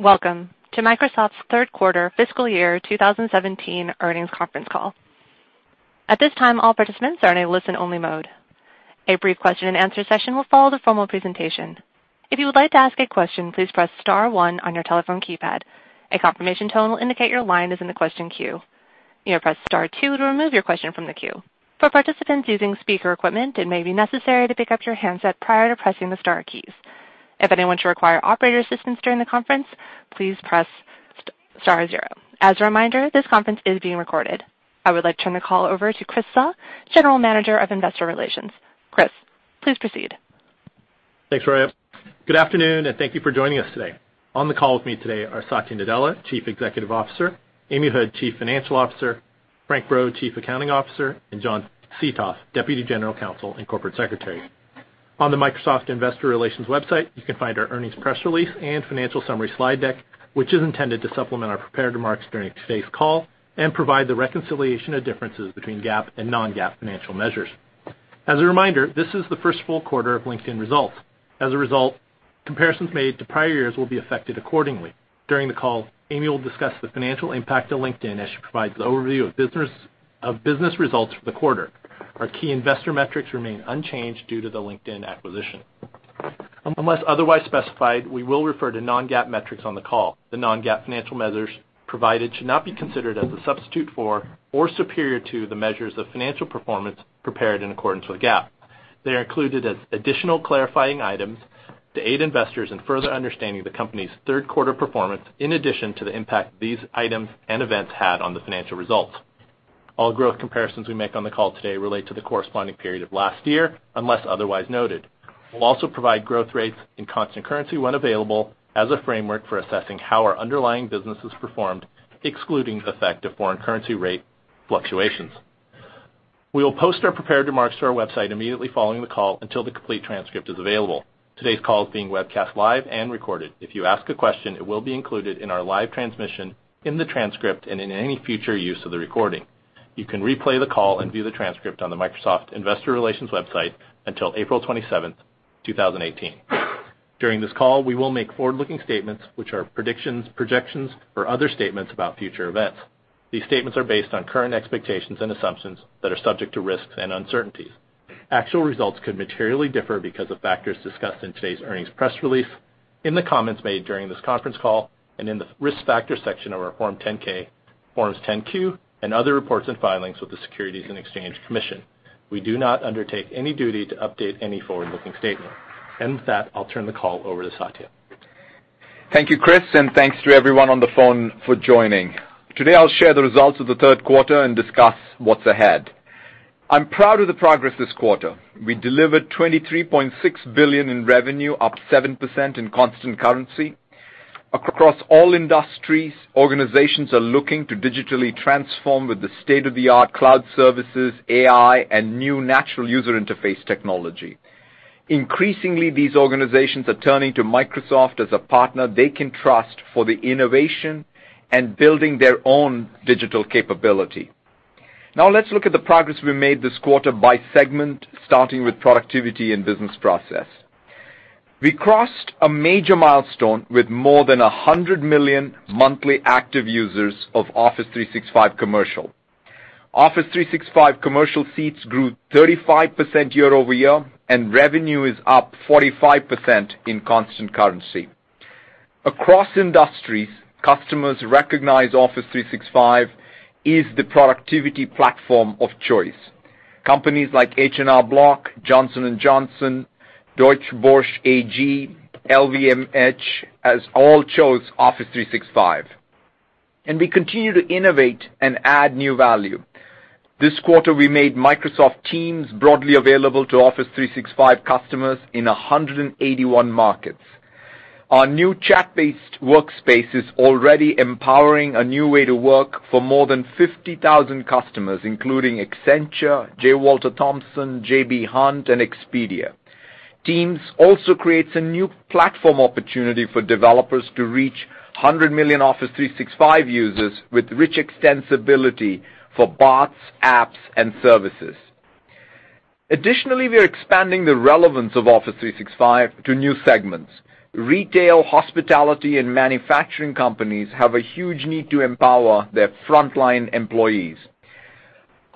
Welcome to Microsoft's third quarter fiscal year 2017 earnings conference call. At this time, all participants are in listen-only mode. A brief question and answer session will follow the formal presentation. If you would like to ask a question, please press star one on your telephone keypad. A confirmation tone will indicate your line is in the question queue. You may press star two to remove your question from the queue. For participants using speaker equipment, it may be necessary to pick up your handset prior to pressing the star key. If anyone should require operator assistance during the conference, please press star 0. As a reminder, this conference is being recorded. I would like to turn the call over to Chris Suh, General Manager of Investor Relations. Chris, please proceed. Thanks, Rya. Good afternoon, thank you for joining us today. On the call with me today are Satya Nadella, Chief Executive Officer; Amy Hood, Chief Financial Officer; Frank Brod, Chief Accounting Officer; and John Seethoff, Deputy General Counsel and Corporate Secretary. On the Microsoft Investor Relations website, you can find our earnings press release and financial summary slide deck, which is intended to supplement our prepared remarks during today's call and provide the reconciliation of differences between GAAP and non-GAAP financial measures. As a reminder, this is the first full quarter of LinkedIn results. Comparisons made to prior years will be affected accordingly. During the call, Amy will discuss the financial impact of LinkedIn as she provides the overview of business results for the quarter. Our key investor metrics remain unchanged due to the LinkedIn acquisition. Unless otherwise specified, we will refer to non-GAAP metrics on the call. The non-GAAP financial measures provided should not be considered as a substitute for or superior to the measures of financial performance prepared in accordance with GAAP. They are included as additional clarifying items to aid investors in further understanding the company's third quarter performance, in addition to the impact these items and events had on the financial results. All growth comparisons we make on the call today relate to the corresponding period of last year, unless otherwise noted. We'll also provide growth rates in constant currency when available as a framework for assessing how our underlying businesses performed, excluding the effect of foreign currency rate fluctuations. We will post our prepared remarks to our website immediately following the call until the complete transcript is available. Today's call is being webcast live and recorded. If you ask a question, it will be included in our live transmission, in the transcript, and in any future use of the recording. You can replay the call and view the transcript on the Microsoft Investor Relations website until April 27, 2018. During this call, we will make forward-looking statements, which are predictions, projections, or other statements about future events. These statements are based on current expectations and assumptions that are subject to risks and uncertainties. Actual results could materially differ because of factors discussed in today's earnings press release, in the comments made during this conference call, and in the risk factors section of our Form 10-K, Forms 10-Q, and other reports and filings with the Securities and Exchange Commission. We do not undertake any duty to update any forward-looking statement. With that, I'll turn the call over to Satya. Thank you, Chris, and thanks to everyone on the phone for joining. Today, I'll share the results of the third quarter and discuss what's ahead. I'm proud of the progress this quarter. We delivered $23.6 billion in revenue, up 7% in constant currency. Across all industries, organizations are looking to digitally transform with the state-of-the-art cloud services, AI, and new natural user interface technology. Increasingly, these organizations are turning to Microsoft as a partner they can trust for the innovation and building their own digital capability. Now let's look at the progress we made this quarter by segment, starting with Productivity and Business Process. We crossed a major milestone with more than 100 million monthly active users of Office 365 Commercial. Office 365 Commercial seats grew 35% year-over-year, and revenue is up 45% in constant currency. Across industries, customers recognize Office 365 is the productivity platform of choice. Companies like H&R Block, Johnson & Johnson, Deutsche Börse AG, LVMH has all chose Office 365. We continue to innovate and add new value. This quarter, we made Microsoft Teams broadly available to Office 365 customers in 181 markets. Our new chat-based workspace is already empowering a new way to work for more than 50,000 customers, including Accenture, J. Walter Thompson, J.B. Hunt, and Expedia. Teams also creates a new platform opportunity for developers to reach 100 million Office 365 users with rich extensibility for bots, apps, and services. Additionally, we are expanding the relevance of Office 365 to new segments. Retail, hospitality, and manufacturing companies have a huge need to empower their frontline employees.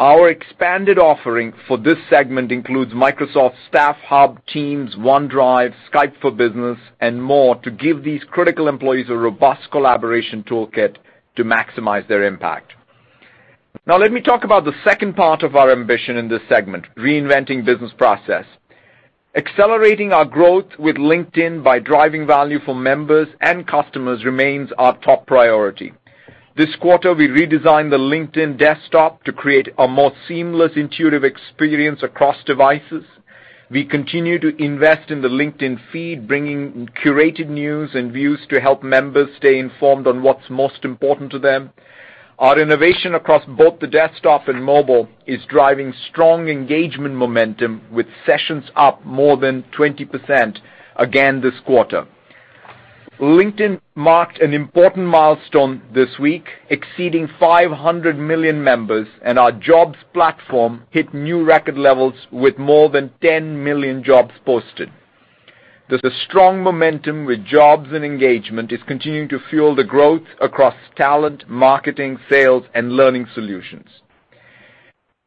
Our expanded offering for this segment includes Microsoft StaffHub, Teams, OneDrive, Skype for Business, and more to give these critical employees a robust collaboration toolkit to maximize their impact. Let me talk about the second part of our ambition in this segment, reinventing business process. Accelerating our growth with LinkedIn by driving value for members and customers remains our top priority. This quarter, we redesigned the LinkedIn desktop to create a more seamless, intuitive experience across devices. We continue to invest in the LinkedIn feed, bringing curated news and views to help members stay informed on what's most important to them. Our innovation across both the desktop and mobile is driving strong engagement momentum with sessions up more than 20% again this quarter. LinkedIn marked an important milestone this week, exceeding 500 million members, and our jobs platform hit new record levels with more than 10 million jobs posted. The strong momentum with jobs and engagement is continuing to fuel the growth across talent, marketing, sales, and learning solutions.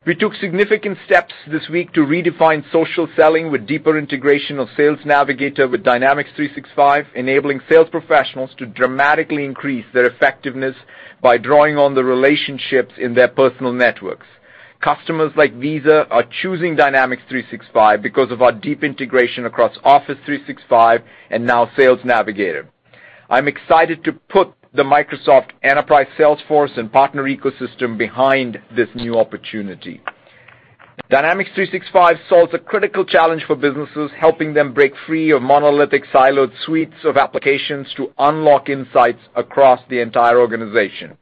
We took significant steps this week to redefine social selling with deeper integration of Sales Navigator with Dynamics 365, enabling sales professionals to dramatically increase their effectiveness by drawing on the relationships in their personal networks. Customers like Visa are choosing Dynamics 365 because of our deep integration across Office 365 and now Sales Navigator. I'm excited to put the Microsoft enterprise sales force and partner ecosystem behind this new opportunity. Dynamics 365 solves a critical challenge for businesses, helping them break free of monolithic siloed suites of applications to unlock insights across the entire organization.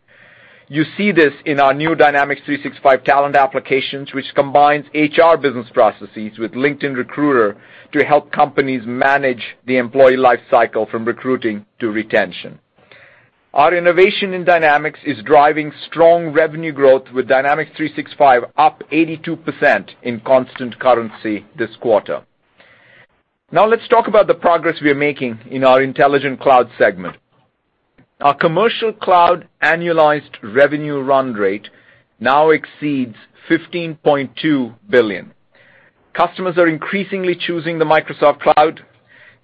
You see this in our new Dynamics 365 Talent applications, which combines HR business processes with LinkedIn Recruiter to help companies manage the employee life cycle from recruiting to retention. Our innovation in Dynamics is driving strong revenue growth, with Dynamics 365 up 82% in constant currency this quarter. Let's talk about the progress we are making in our Intelligent Cloud segment. Our commercial cloud annualized revenue run rate now exceeds $15.2 billion. Customers are increasingly choosing the Microsoft cloud.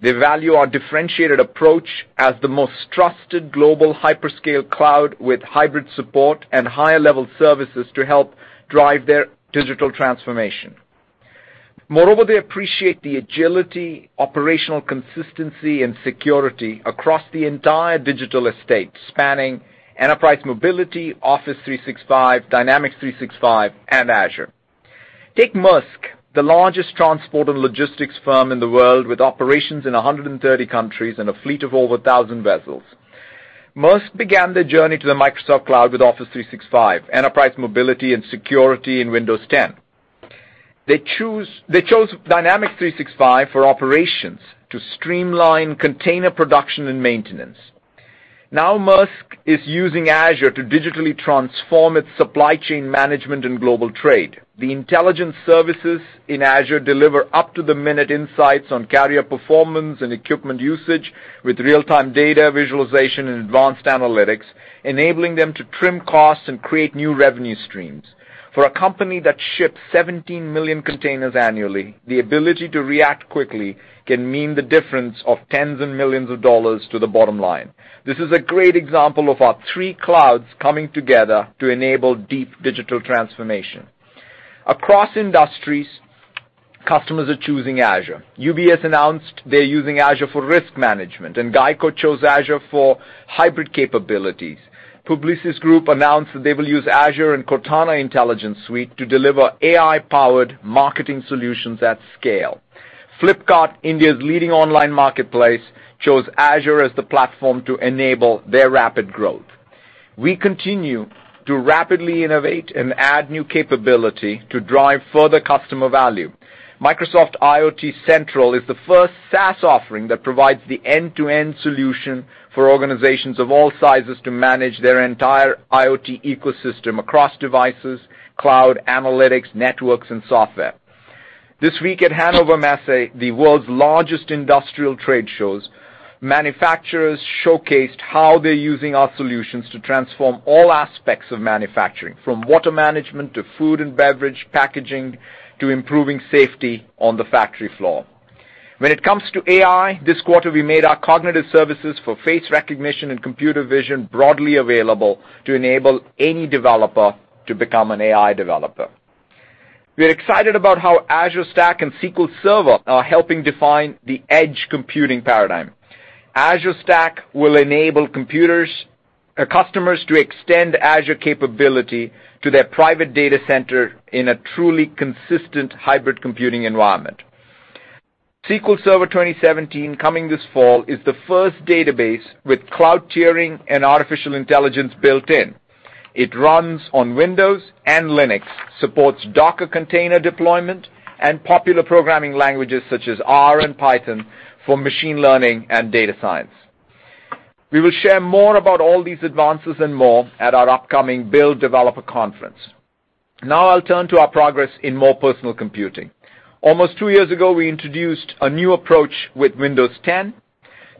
They value our differentiated approach as the most trusted global hyperscale cloud with hybrid support and higher level services to help drive their digital transformation. They appreciate the agility, operational consistency, and security across the entire digital estate, spanning Enterprise Mobility, Office 365, Dynamics 365, and Azure. Take Maersk, the largest transport and logistics firm in the world with operations in 130 countries and a fleet of over 1,000 vessels. Maersk began their journey to the Microsoft cloud with Office 365, Enterprise Mobility and Security, and Windows 10. They chose Dynamics 365 for Operations to streamline container production and maintenance. Now Maersk is using Azure to digitally transform its supply chain management and global trade. The intelligence services in Azure deliver up-to-the-minute insights on carrier performance and equipment usage with real-time data visualization and advanced analytics, enabling them to trim costs and create new revenue streams. For a company that ships 17 million containers annually, the ability to react quickly can mean the difference of tens and millions of dollars to the bottom line. This is a great example of our three clouds coming together to enable deep digital transformation. Across industries, customers are choosing Azure. UBS announced they're using Azure for risk management, and GEICO chose Azure for hybrid capabilities. Publicis Groupe announced that they will use Azure and Cortana Intelligence Suite to deliver AI-powered marketing solutions at scale. Flipkart, India's leading online marketplace, chose Azure as the platform to enable their rapid growth. We continue to rapidly innovate and add new capability to drive further customer value. Microsoft IoT Central is the first SaaS offering that provides the end-to-end solution for organizations of all sizes to manage their entire IoT ecosystem across devices, cloud, analytics, networks, and software. This week at Hannover Messe, the world's largest industrial trade shows, manufacturers showcased how they're using our solutions to transform all aspects of manufacturing, from water management to food and beverage packaging to improving safety on the factory floor. When it comes to AI, this quarter we made our Cognitive Services for face recognition and computer vision broadly available to enable any developer to become an AI developer. We are excited about how Azure Stack and SQL Server are helping define the edge computing paradigm. Azure Stack will enable customers to extend Azure capability to their private data center in a truly consistent hybrid computing environment. SQL Server 2017, coming this fall, is the first database with cloud tiering and artificial intelligence built in. It runs on Windows and Linux, supports Docker container deployment, and popular programming languages such as R and Python for machine learning and data science. We will share more about all these advances and more at our upcoming Build Developer Conference. Now I'll turn to our progress in More Personal Computing. Almost two years ago, we introduced a new approach with Windows 10,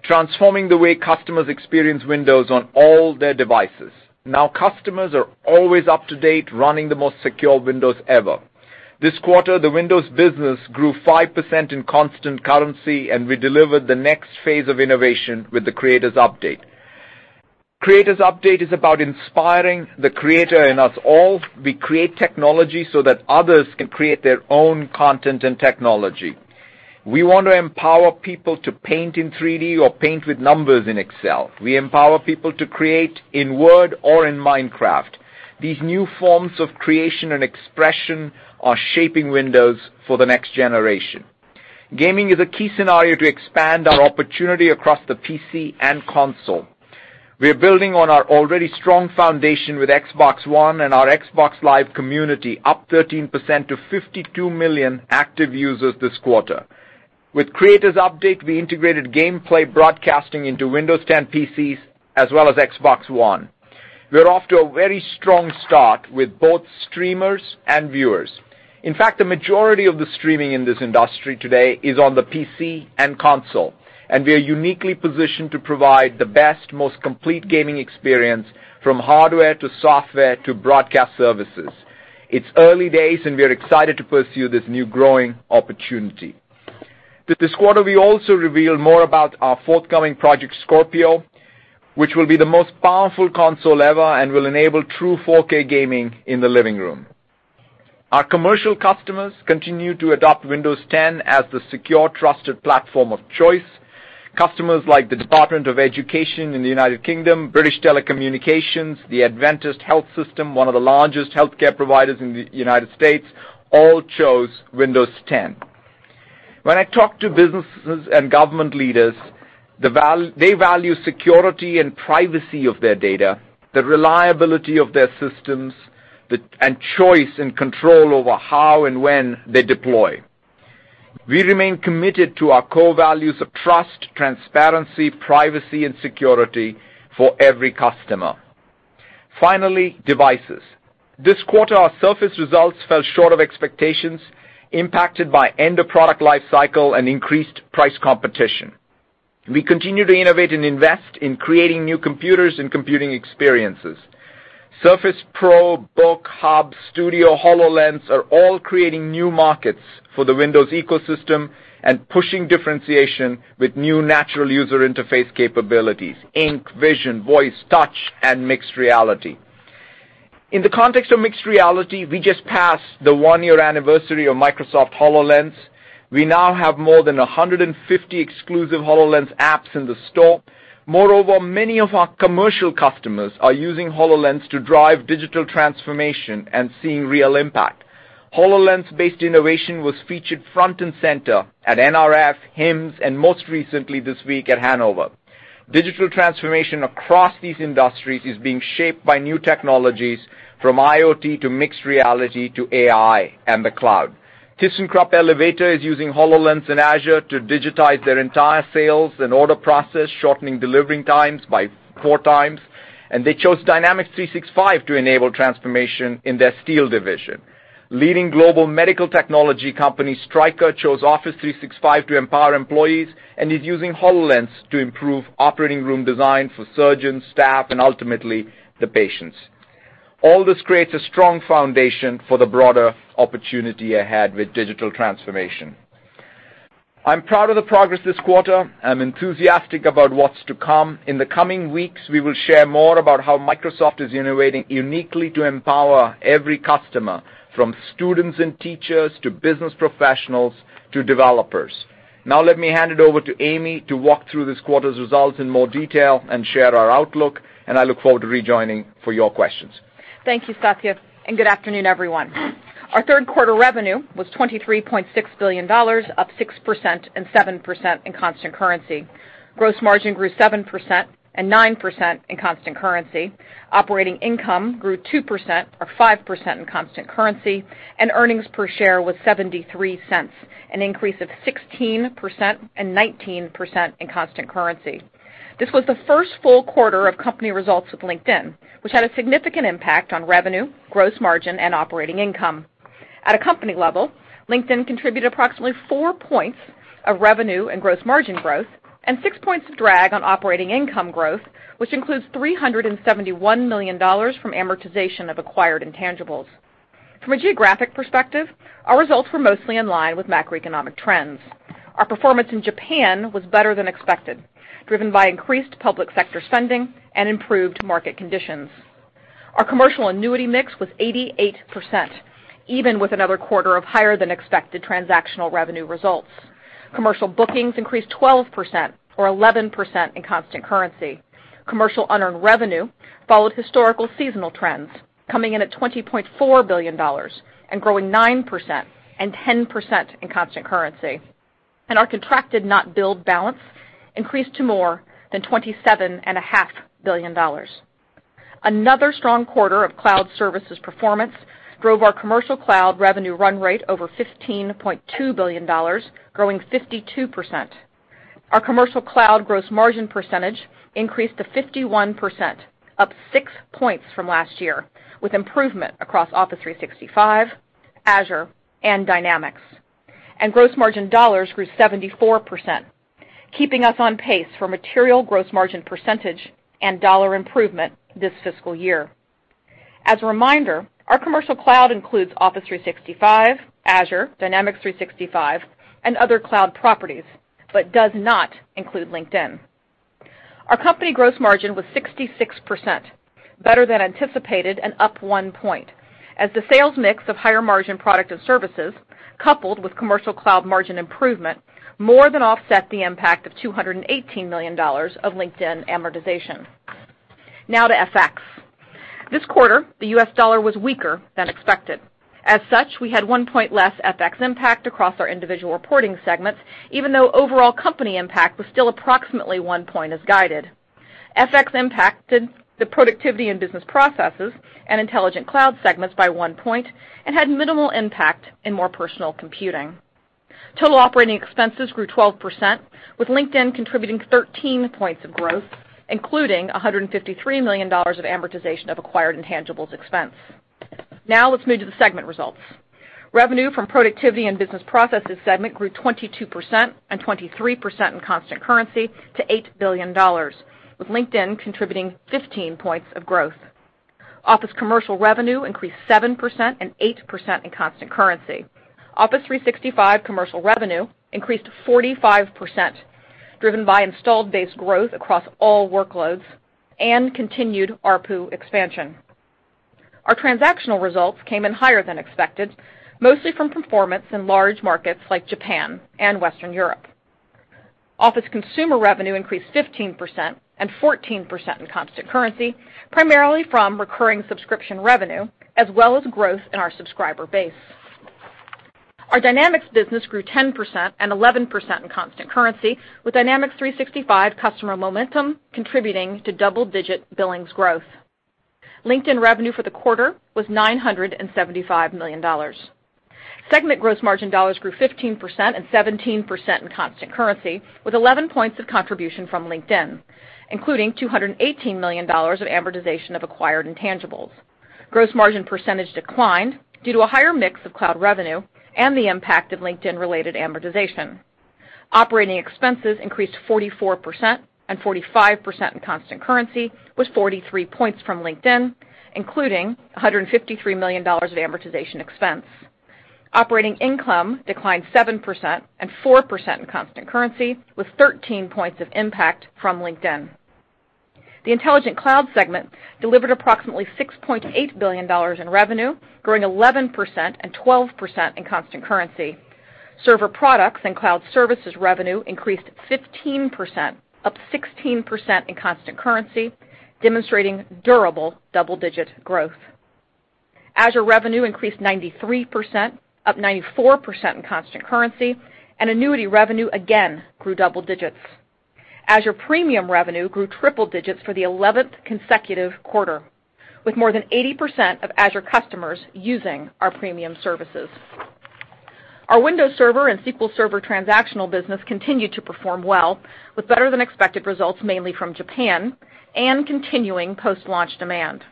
transforming the way customers experience Windows on all their devices. Now customers are always up to date, running the most secure Windows ever. This quarter, the Windows business grew 5% in constant currency, and we delivered the next phase of innovation with the Creators Update. Creators Update is about inspiring the creator in us all. We create technology so that others can create their own content and technology. We want to empower people to paint in 3D or paint with numbers in Excel. We empower people to create in Word or in Minecraft. These new forms of creation and expression are shaping Windows for the next generation. Gaming is a key scenario to expand our opportunity across the PC and console. We're building on our already strong foundation with Xbox One and our Xbox Live community, up 13% to 52 million active users this quarter. With Creators Update, we integrated gameplay broadcasting into Windows 10 PCs as well as Xbox One. We're off to a very strong start with both streamers and viewers. In fact, the majority of the streaming in this industry today is on the PC and console, and we are uniquely positioned to provide the best, most complete gaming experience from hardware to software to broadcast services. It's early days, and we are excited to pursue this new growing opportunity. This quarter, we also revealed more about our forthcoming Project Scorpio, which will be the most powerful console ever and will enable true 4K gaming in the living room. Our commercial customers continue to adopt Windows 10 as the secure trusted platform of choice. Customers like the Department for Education in the U.K., British Telecommunications, AdventHealth, is one of the largest healthcare providers in the U.S., all chose Windows 10. When I talk to businesses and government leaders, they value security and privacy of their data, the reliability of their systems, and choice and control over how and when they deploy. We remain committed to our core values of trust, transparency, privacy, and security for every customer. Finally, devices. This quarter, our Surface results fell short of expectations, impacted by end-of-product life cycle and increased price competition. We continue to innovate and invest in creating new computers and computing experiences. Surface Pro, Surface Book, Surface Hub, Surface Studio, HoloLens are all creating new markets for the Windows ecosystem and pushing differentiation with new natural user interface capabilities: ink, vision, voice, touch, and mixed reality. In the context of mixed reality, we just passed the one-year anniversary of Microsoft HoloLens. We now have more than 150 exclusive HoloLens apps in the store. Many of our commercial customers are using HoloLens to drive digital transformation and seeing real impact. HoloLens-based innovation was featured front and center at NRF, HIMSS, and most recently this week at Hanover. Digital transformation across these industries is being shaped by new technologies from IoT to mixed reality to AI and the cloud. Thyssenkrupp Elevator is using HoloLens and Azure to digitize their entire sales and order process, shortening delivering times by 4 times. They chose Dynamics 365 to enable transformation in their steel division. Leading global medical technology company Stryker chose Office 365 to empower employees and is using HoloLens to improve operating room design for surgeons, staff, and ultimately the patients. All this creates a strong foundation for the broader opportunity ahead with digital transformation. I'm proud of the progress this quarter. I'm enthusiastic about what's to come. In the coming weeks, we will share more about how Microsoft is innovating uniquely to empower every customer, from students and teachers to business professionals to developers. Let me hand it over to Amy to walk through this quarter's results in more detail and share our outlook, and I look forward to rejoining for your questions. Thank you, Satya. Good afternoon, everyone. Our third quarter revenue was $23.6 billion, up 6% and 7% in constant currency. Gross margin grew 7% and 9% in constant currency. Operating income grew 2% or 5% in constant currency, and earnings per share was $0.73, an increase of 16% and 19% in constant currency. This was the first full quarter of company results with LinkedIn, which had a significant impact on revenue, gross margin, and operating income. At a company level, LinkedIn contributed approximately 4 points of revenue and gross margin growth and 6 points of drag on operating income growth, which includes $371 million from amortization of acquired intangibles. From a geographic perspective, our results were mostly in line with macroeconomic trends. Our performance in Japan was better than expected, driven by increased public sector spending and improved market conditions. Our commercial annuity mix was 88%, even with another quarter of higher-than-expected transactional revenue results. Commercial bookings increased 12% or 11% in constant currency. Commercial unearned revenue followed historical seasonal trends, coming in at $20.4 billion and growing 9% and 10% in constant currency. Our contracted not build balance increased to more than $27.5 billion. Another strong quarter of commercial cloud services performance drove our commercial cloud revenue run rate over $15.2 billion, growing 52%. Our commercial cloud gross margin percentage increased to 51%, up six points from last year, with improvement across Office 365, Azure, and Dynamics. Gross margin dollars grew 74%, keeping us on pace for material gross margin percentage and dollar improvement this fiscal year. As a reminder, our commercial cloud includes Office 365, Azure, Dynamics 365, and other cloud properties, but does not include LinkedIn. Our company gross margin was 66%, better than anticipated and up 1 point, as the sales mix of higher-margin product and services coupled with commercial cloud margin improvement more than offset the impact of $218 million of LinkedIn amortization. Now to FX. This quarter, the US dollar was weaker than expected. As such, we had 1 point less FX impact across our individual reporting segments, even though overall company impact was still approximately 1 point as guided. FX impacted the Productivity and Business Processes and Intelligent Cloud segments by 1 point and had minimal impact in More Personal Computing. Total operating expenses grew 12%, with LinkedIn contributing 13 points of growth, including $153 million of amortization of acquired intangibles expense. Let's move to the segment results. Revenue from Productivity and Business Processes segment grew 22% and 23% in constant currency to $8 billion, with LinkedIn contributing 15 points of growth. Office Commercial revenue increased 7% and 8% in constant currency. Office 365 Commercial revenue increased 45%, driven by installed base growth across all workloads and continued ARPU expansion. Our transactional results came in higher than expected, mostly from performance in large markets like Japan and Western Europe. Office Consumer revenue increased 15% and 14% in constant currency, primarily from recurring subscription revenue, as well as growth in our subscriber base. Our Dynamics business grew 10% and 11% in constant currency, with Dynamics 365 customer momentum contributing to double-digit billings growth. LinkedIn revenue for the quarter was $975 million. Segment gross margin dollars grew 15% and 17% in constant currency, with 11 points of contribution from LinkedIn, including $218 million of amortization of acquired intangibles. Gross margin percentage declined due to a higher mix of cloud revenue and the impact of LinkedIn-related amortization. Operating expenses increased 44% and 45% in constant currency, with 43 points from LinkedIn, including $153 million of amortization expense. Operating income declined 7% and 4% in constant currency, with 13 points of impact from LinkedIn. The Intelligent Cloud segment delivered approximately $6.8 billion in revenue, growing 11% and 12% in constant currency. Server products and cloud services revenue increased 15%, up 16% in constant currency, demonstrating durable double-digit growth. Azure revenue increased 93%, up 94% in constant currency, and annuity revenue again grew double digits. Azure premium revenue grew triple digits for the 11th consecutive quarter, with more than 80% of Azure customers using our premium services. Our Windows Server and SQL Server transactional business continued to perform well with better-than-expected results mainly from Japan and continuing post-launch demand.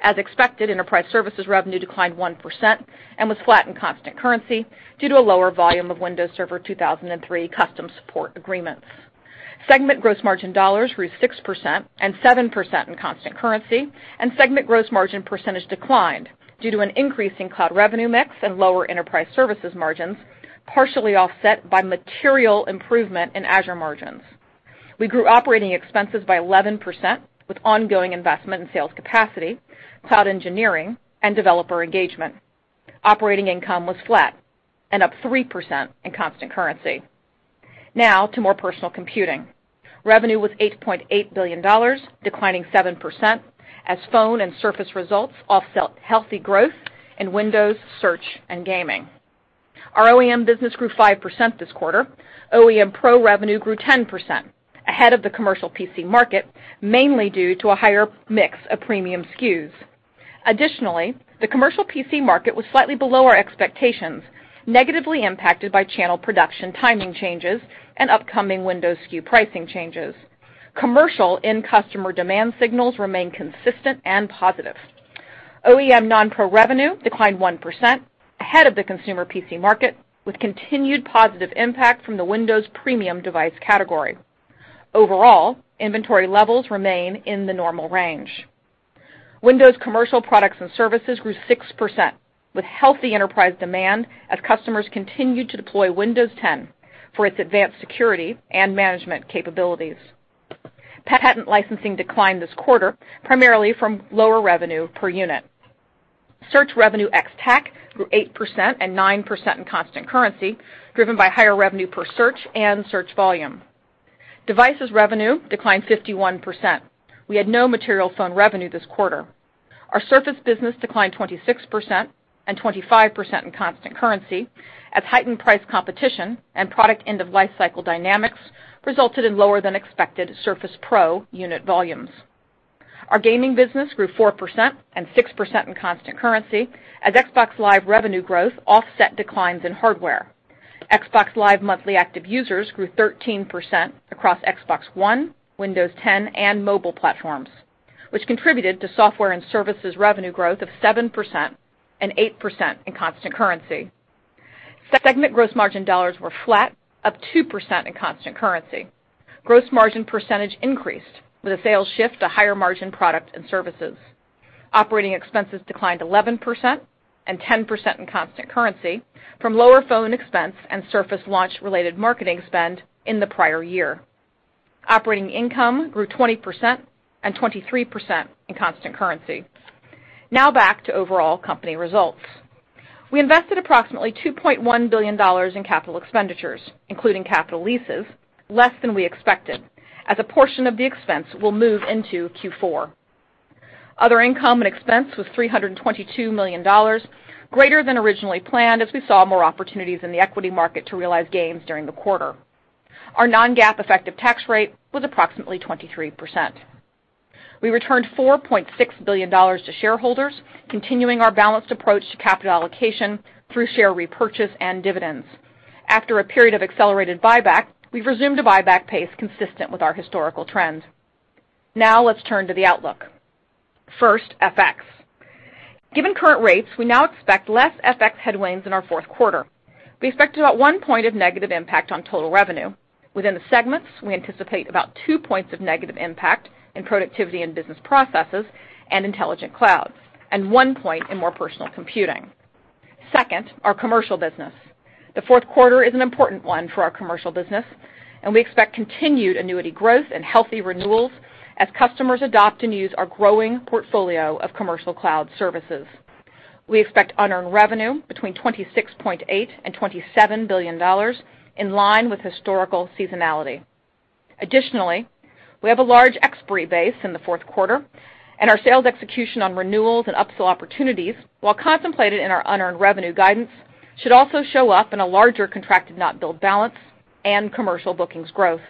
As expected, enterprise services revenue declined 1% and was flat in constant currency due to a lower volume of Windows Server 2003 custom support agreements. Segment gross margin dollars grew 6% and 7% in constant currency, and segment gross margin percentage declined due to an increase in cloud revenue mix and lower enterprise services margins, partially offset by material improvement in Azure margins. We grew operating expenses by 11% with ongoing investment in sales capacity, cloud engineering, and developer engagement. Operating income was flat and up 3% in constant currency. Now to More Personal Computing. Revenue was $8.8 billion, declining 7% as phone and Surface results offset healthy growth in Windows, Search, and Gaming. Our OEM business grew 5% this quarter. OEM Pro revenue grew 10%, ahead of the commercial PC market, mainly due to a higher mix of premium SKUs. Additionally, the commercial PC market was slightly below our expectations, negatively impacted by channel production timing changes and upcoming Windows SKU pricing changes. Commercial end customer demand signals remain consistent and positive. OEM non-Pro revenue declined 1%, ahead of the consumer PC market, with continued positive impact from the Windows premium device category. Overall, inventory levels remain in the normal range. Windows commercial products and services grew 6%, with healthy enterprise demand as customers continued to deploy Windows 10 for its advanced security and management capabilities. Patent licensing declined this quarter, primarily from lower revenue per unit. Search revenue ex-TAC grew 8% and 9% in constant currency, driven by higher revenue per search and search volume. Devices revenue declined 51%. We had no material phone revenue this quarter. Our Surface business declined 26% and 25% in constant currency as heightened price competition and product end-of-life cycle dynamics resulted in lower than expected Surface Pro unit volumes. Our gaming business grew 4% and 6% in constant currency as Xbox Live revenue growth offset declines in hardware. Xbox Live monthly active users grew 13% across Xbox One, Windows 10, and mobile platforms, which contributed to software and services revenue growth of 7% and 8% in constant currency. Segment gross margin dollars were flat, up 2% in constant currency. Gross margin percentage increased with a sales shift to higher margin products and services. Operating expenses declined 11% and 10% in constant currency from lower phone expense and Surface launch-related marketing spend in the prior year. Operating income grew 20% and 23% in constant currency. Back to overall company results. We invested approximately $2.1 billion in capital expenditures, including capital leases, less than we expected, as a portion of the expense will move into Q4. Other income and expense was $322 million, greater than originally planned as we saw more opportunities in the equity market to realize gains during the quarter. Our non-GAAP effective tax rate was approximately 23%. We returned $4.6 billion to shareholders, continuing our balanced approach to capital allocation through share repurchase and dividends. After a period of accelerated buyback, we've resumed a buyback pace consistent with our historical trends. Let's turn to the outlook. FX. Given current rates, we now expect less FX headwinds in our fourth quarter. We expect about 1 point of negative impact on total revenue. Within the segments, we anticipate about 2 points of negative impact in Productivity and Business Processes and Intelligent Cloud, and 1 point in More Personal Computing. Second, our commercial business. The fourth quarter is an important one for our commercial business, and we expect continued annuity growth and healthy renewals as customers adopt and use our growing portfolio of commercial cloud services. We expect unearned revenue between $26.8 billion and $27 billion in line with historical seasonality. Additionally, we have a large expiry base in the fourth quarter, and our sales execution on renewals and upsell opportunities, while contemplated in our unearned revenue guidance, should also show up in a larger contracted not billed balance and commercial bookings growth.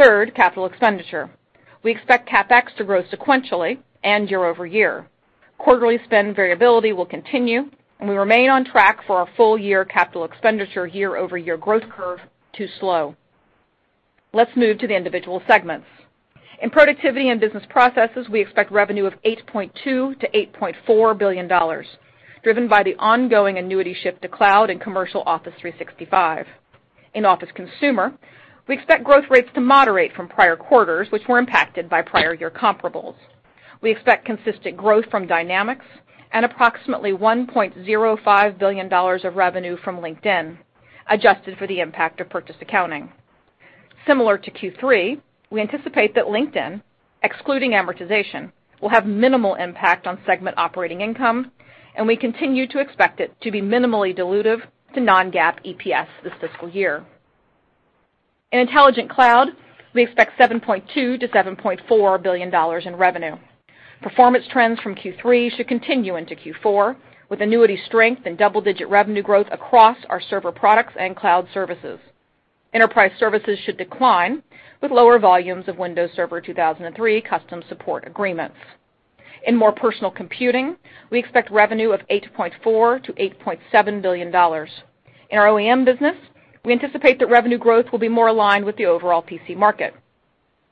Third, capital expenditure. We expect CapEx to grow sequentially and year-over-year. Quarterly spend variability will continue. We remain on track for our full-year CapEx year-over-year growth curve to slow. Let's move to the individual segments. In Productivity and Business Processes, we expect revenue of $8.2 billion-$8.4 billion, driven by the ongoing annuity shift to cloud and commercial Office 365. In Office Consumer, we expect growth rates to moderate from prior quarters, which were impacted by prior-year comparables. We expect consistent growth from Dynamics and approximately $1.05 billion of revenue from LinkedIn, adjusted for the impact of purchase accounting. Similar to Q3, we anticipate that LinkedIn, excluding amortization, will have minimal impact on segment operating income, and we continue to expect it to be minimally dilutive to non-GAAP EPS this fiscal year. In Intelligent Cloud, we expect $7.2 billion-$7.4 billion in revenue. Performance trends from Q3 should continue into Q4, with annuity strength and double-digit revenue growth across our server products and cloud services. Enterprise services should decline with lower volumes of Windows Server 2003 custom support agreements. In More Personal Computing, we expect revenue of $8.4 billion-$8.7 billion. In our OEM business, we anticipate that revenue growth will be more aligned with the overall PC market.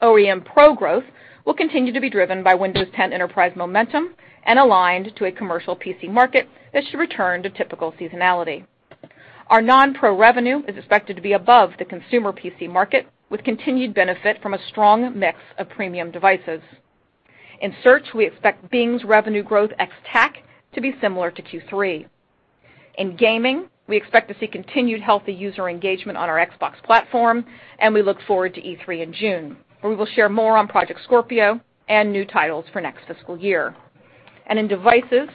OEM Pro growth will continue to be driven by Windows 10 Enterprise momentum and aligned to a commercial PC market that should return to typical seasonality. Our non-Pro revenue is expected to be above the consumer PC market, with continued benefit from a strong mix of premium devices. In search, we expect Bing's revenue growth ex-TAC to be similar to Q3. In gaming, we expect to see continued healthy user engagement on our Xbox platform, and we look forward to E3 in June, where we will share more on Project Scorpio and new titles for next fiscal year. In devices,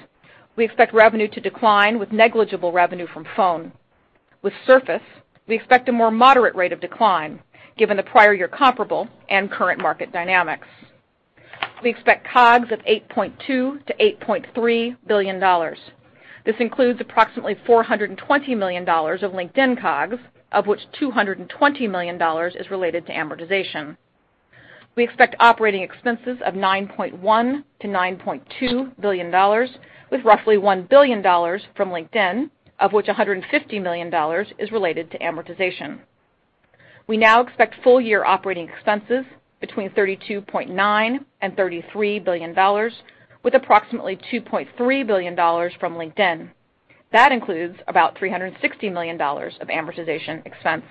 we expect revenue to decline with negligible revenue from phone. With Surface, we expect a more moderate rate of decline given the prior year comparable and current market dynamics. We expect COGS of $8.2 billion-$8.3 billion. This includes approximately $420 million of LinkedIn COGS, of which $220 million is related to amortization. We expect operating expenses of $9.1 billion-$9.2 billion, with roughly $1 billion from LinkedIn, of which $150 million is related to amortization. We now expect full-year operating expenses between $32.9 billion and $33 billion, with approximately $2.3 billion from LinkedIn. That includes about $360 million of amortization expense.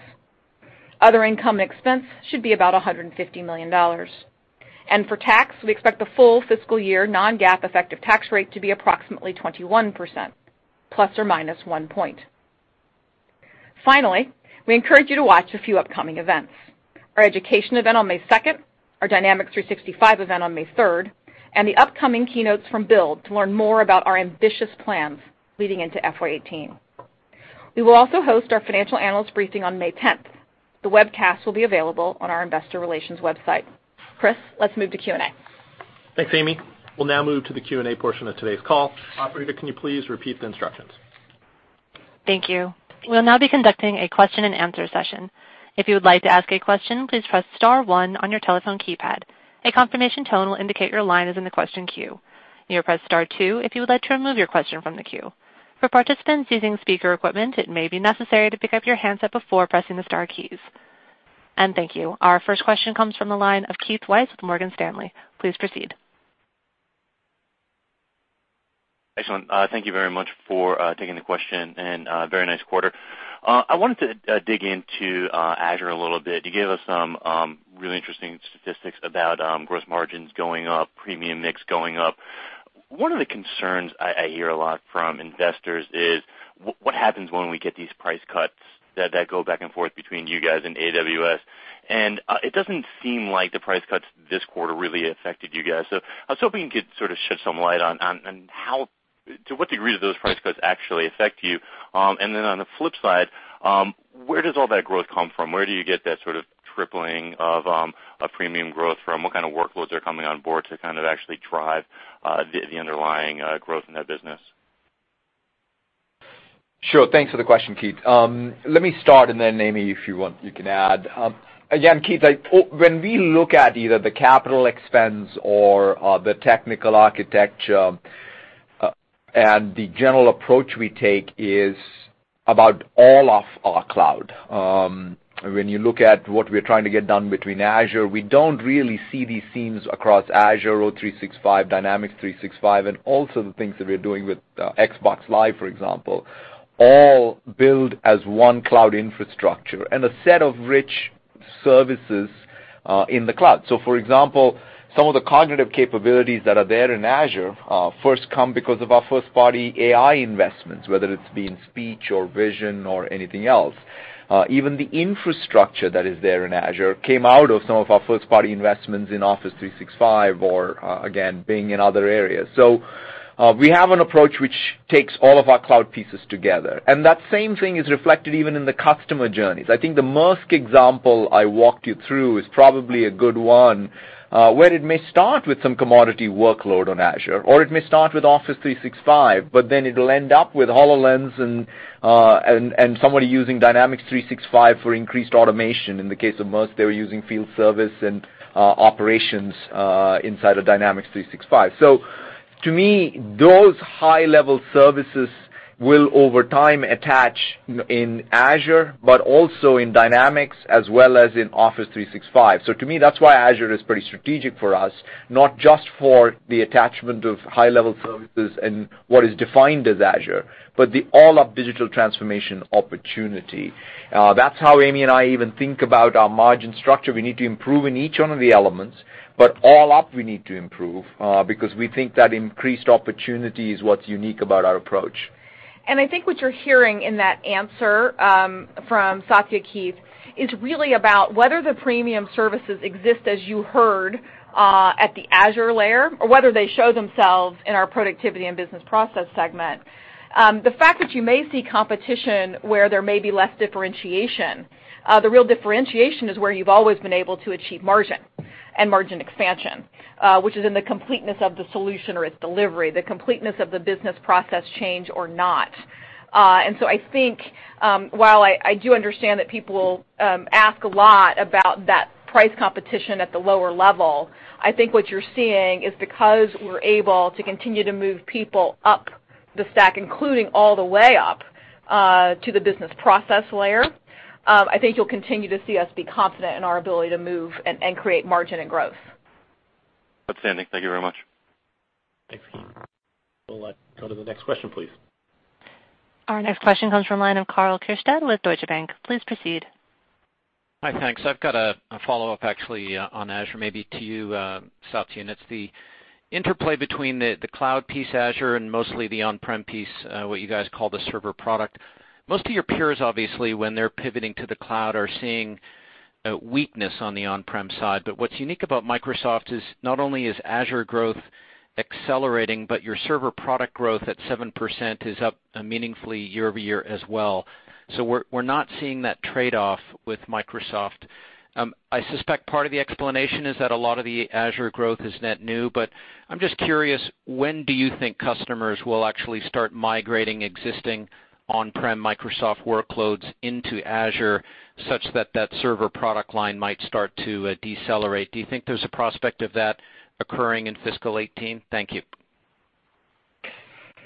Other income expense should be about $150 million. For tax, we expect the full fiscal year non-GAAP effective tax rate to be approximately 21%, ±1 point. Finally, we encourage you to watch a few upcoming events. Our education event on May 2nd, our Dynamics 365 event on May 3rd, and the upcoming keynotes from Build to learn more about our ambitious plans leading into FY 2018. We will also host our financial analyst briefing on May 10th. The webcast will be available on our investor relations website. Chris, let's move to Q&A. Thanks, Amy. We'll now move to the Q&A portion of today's call. Operator, can you please repeat the instructions? Thank you. We'll now be conducting a question-and-answer session. If you would like to ask a question, please press star one on your telephone keypad. A confirmation tone will indicate your line is in the question queue. You may press star two if you would like to remove your question from the queue. For participants using speaker equipment, it may be necessary to pick up your handset before pressing the star keys. Thank you. Our first question comes from the line of Keith Weiss with Morgan Stanley. Please proceed. Excellent. Thank you very much for taking the question. Very nice quarter. I wanted to dig into Azure a little bit. You gave us some really interesting statistics about gross margins going up, premium mix going up. One of the concerns I hear a lot from investors is what happens when we get these price cuts that go back and forth between you guys and AWS? It doesn't seem like the price cuts this quarter really affected you guys. I was hoping you could sort of shed some light on to what degree do those price cuts actually affect you? On the flip side, where does all that growth come from? Where do you get that sort of tripling of a premium growth from? What kind of workloads are coming on board to kind of actually drive the underlying growth in that business? Sure. Thanks for the question, Keith. Let me start and then Amy, if you want, you can add. Again, Keith, when we look at either the capital expense or the technical architecture, and the general approach we take is about all of our cloud. When you look at what we're trying to get done between Azure, we don't really see these seams across Azure, O365, Dynamics 365, and also the things that we're doing with Xbox Live, for example, all build as one cloud infrastructure and a set of rich services in the cloud. For example, some of the cognitive capabilities that are there in Azure, first come because of our first-party AI investments, whether it's been speech or vision or anything else. Even the infrastructure that is there in Azure came out of some of our first-party investments in Office 365 or, again, Bing and other areas. We have an approach which takes all of our cloud pieces together, and that same thing is reflected even in the customer journeys. I think the Maersk example I walked you through is probably a good one, where it may start with some commodity workload on Azure, or it may start with Office 365, but then it'll end up with HoloLens and somebody using Dynamics 365 for increased automation. In the case of Maersk, they were using Field Service and Operations inside of Dynamics 365. To me, those high-level services will over time attach in Azure, but also in Dynamics as well as in Office 365. To me, that's why Azure is pretty strategic for us, not just for the attachment of high-level services and what is defined as Azure, but the all-up digital transformation opportunity. That's how Amy and I even think about our margin structure. We need to improve in each one of the elements, but all up we need to improve, because we think that increased opportunity is what's unique about our approach. I think what you're hearing in that answer, from Satya, Keith, is really about whether the premium services exist as you heard, at the Azure layer, or whether they show themselves in our productivity and business process segment. The fact that you may see competition where there may be less differentiation, the real differentiation is where you've always been able to achieve margin and margin expansion, which is in the completeness of the solution or its delivery, the completeness of the business process change or not. I think, while I do understand that people ask a lot about that price competition at the lower level, I think what you're seeing is because we're able to continue to move people up the stack, including all the way up to the business process layer, I think you'll continue to see us be confident in our ability to move and create margin and growth. Outstanding. Thank you very much. Thanks, Keith. We'll go to the next question, please. Our next question comes from line of Karl Keirstead with Deutsche Bank. Please proceed. Hi, thanks. I've got a follow-up actually on Azure, maybe to you, Satya, and it's the interplay between the cloud piece Azure and mostly the on-prem piece, what you guys call the server product. Most of your peers, obviously, when they're pivoting to the cloud are seeing a weakness on the on-prem side. What's unique about Microsoft is not only is Azure growth accelerating, but your server product growth at 7% is up meaningfully year-over-year as well. We're not seeing that trade-off with Microsoft. I suspect part of the explanation is that a lot of the Azure growth is net new, but I'm just curious, when do you think customers will actually start migrating existing on-prem Microsoft workloads into Azure such that that server product line might start to decelerate? Do you think there's a prospect of that occurring in fiscal 2018? Thank you.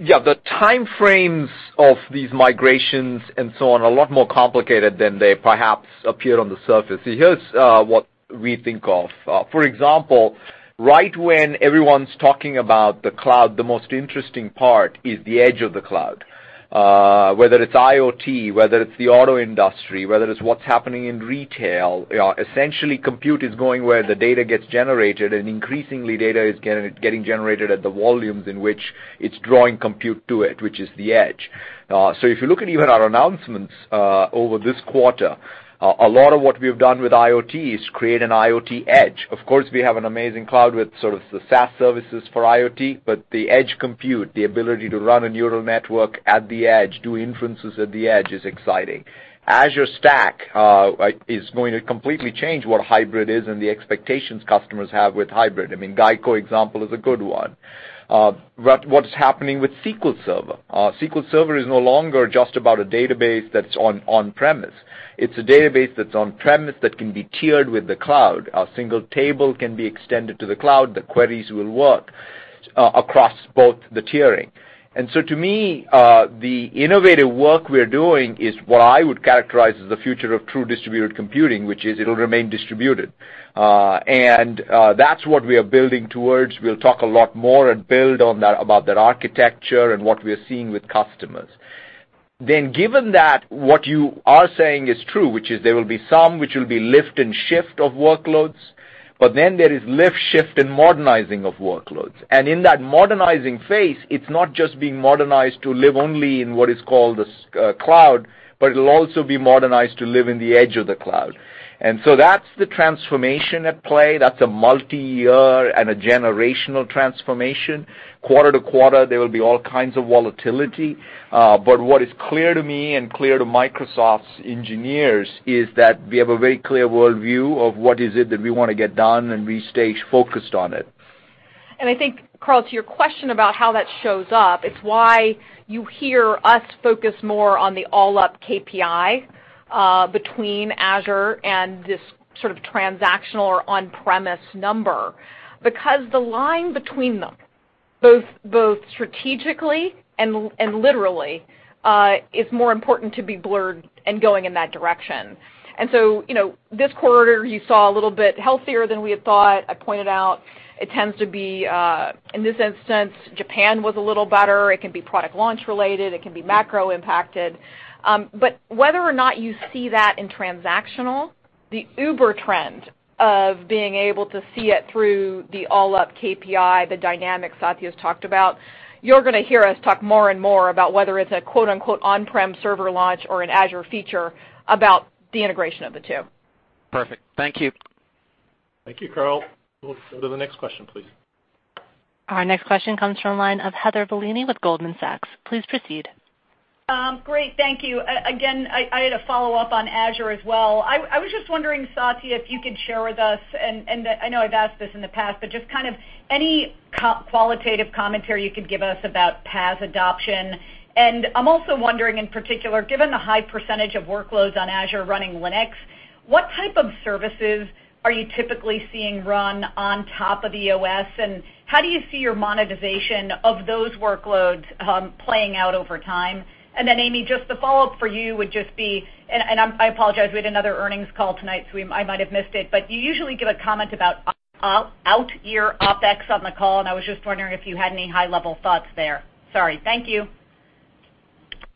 Yeah. The time frames of these migrations and so on are a lot more complicated than they perhaps appear on the surface. Here's what we think of. For example, right when everyone's talking about the cloud, the most interesting part is the edge of the cloud. Whether it's IoT, whether it's the auto industry, whether it's what's happening in retail, essentially compute is going where the data gets generated, and increasingly data is getting generated at the volumes in which it's drawing compute to it, which is the edge. If you look at even our announcements over this quarter, a lot of what we have done with IoT is create an IoT edge. Of course, we have an amazing cloud with sort of the SaaS services for IoT, but the edge compute, the ability to run a neural network at the edge, do inferences at the edge, is exciting. Azure Stack is going to completely change what hybrid is and the expectations customers have with hybrid. I mean, GEICO example is a good one. What is happening with SQL Server. SQL Server is no longer just about a database that's on premise. It's a database that's on premise that can be tiered with the cloud. A single table can be extended to the cloud. The queries will work across both the tiering. To me, the innovative work we're doing is what I would characterize as the future of true distributed computing, which is it'll remain distributed. That's what we are building towards. We'll talk a lot more and build on that about that architecture and what we're seeing with customers. Given that what you are saying is true, which is there will be some which will be lift and shift of workloads, but then there is lift, shift, and modernizing of workloads. In that modernizing phase, it's not just being modernized to live only in what is called a cloud, but it'll also be modernized to live in the edge of the cloud. That's the transformation at play. That's a multi-year and a generational transformation. Quarter to quarter, there will be all kinds of volatility. What is clear to me and clear to Microsoft's engineers is that we have a very clear worldview of what is it that we wanna get done, and we stay focused on it. I think, Karl, to your question about how that shows up, it's why you hear us focus more on the all-up KPI between Azure and this sort of transactional or on-premise number. The line between them, both strategically and literally, is more important to be blurred and going in that direction. You know, this quarter you saw a little bit healthier than we had thought. I pointed out it tends to be, in this instance, Japan was a little better. It can be product launch related, it can be macro impacted. Whether or not you see that in transactional, the uber-trend of being able to see it through the all-up KPI, the dynamics Satya's talked about, you're gonna hear us talk more and more about whether it's a, quote-unquote, on-prem server launch or an Azure feature about the integration of the two. Perfect. Thank you. Thank you, Karl. We'll go to the next question, please. Our next question comes from the line of Heather Bellini with Goldman Sachs. Please proceed. Great, thank you. Again, I had a follow-up on Azure as well. I was just wondering, Satya, if you could share with us, and I know I've asked this in the past, but just kind of any qualitative commentary you could give us about PaaS adoption. I'm also wondering in particular, given the high percentage of workloads on Azure running Linux, what type of services are you typically seeing run on top of the OS, and how do you see your monetization of those workloads playing out over time? Amy, just the follow-up for you would just be, I apologize, we had another earnings call tonight, so I might have missed it, but you usually give a comment about out year OpEx on the call, and I was just wondering if you had any high-level thoughts there. Sorry. Thank you.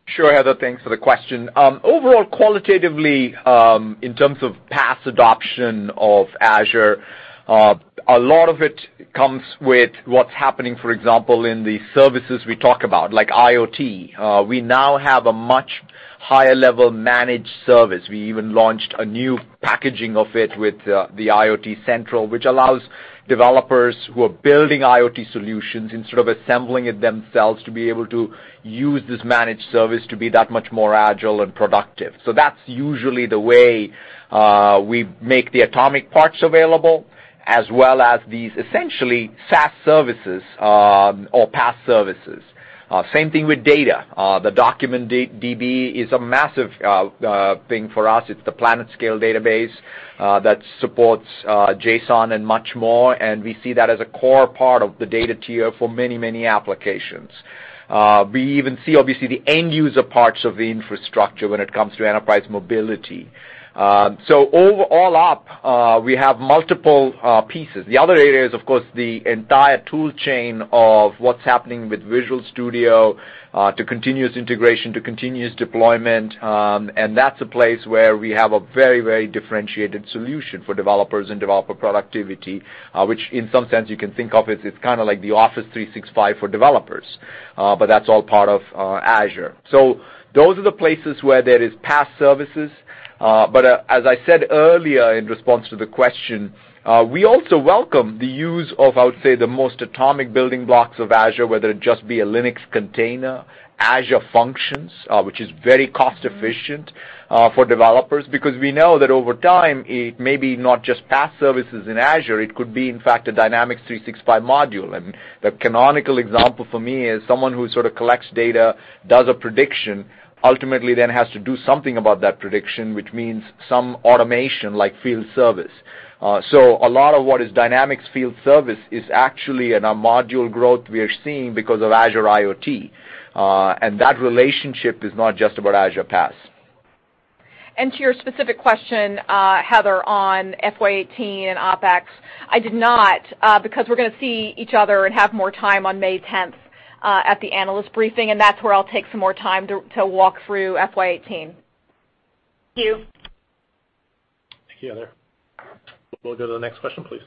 Sure, Heather. Thanks for the question. Overall, qualitatively, in terms of PaaS adoption of Azure, a lot of it comes with what's happening, for example, in the services we talk about, like IoT. We now have a much higher level managed service. We even launched a new packaging of it with Azure IoT Central, which allows developers who are building IoT solutions instead of assembling it themselves to be able to use this managed service to be that much more agile and productive. That's usually the way we make the atomic parts available, as well as these essentially SaaS services, or PaaS services. Same thing with data. The DocumentDB is a massive thing for us. It's the planet-scale database that supports JSON and much more. We see that as a core part of the data tier for many, many applications. We even see obviously the end user parts of the infrastructure when it comes to enterprise mobility. Over all up, we have multiple pieces. The other area is, of course, the entire tool chain of what's happening with Visual Studio to continuous integration, to continuous deployment. That's a place where we have a very, very differentiated solution for developers and developer productivity, which in some sense you can think of as it's kinda like the Office 365 for developers. That's all part of Azure. Those are the places where there is PaaS services. As I said earlier in response to the question, we also welcome the use of, I would say, the most atomic building blocks of Azure, whether it just be a Linux container, Azure Functions, which is very cost efficient for developers, because we know that over time, it may be not just PaaS services in Azure, it could be, in fact, a Dynamics 365 module. The canonical example for me is someone who sort of collects data, does a prediction, ultimately then has to do something about that prediction, which means some automation like Field Service. A lot of what is Dynamics 365 Field Service is actually in a module growth we are seeing because of Azure IoT. That relationship is not just about Azure PaaS. To your specific question, Heather, on FY 2018 and OpEx, I did not, because we're gonna see each other and have more time on May 10th, at the analyst briefing, and that's where I'll take some more time to walk through FY 2018. Thank you. Thank you, Heather. We'll go to the next question, please.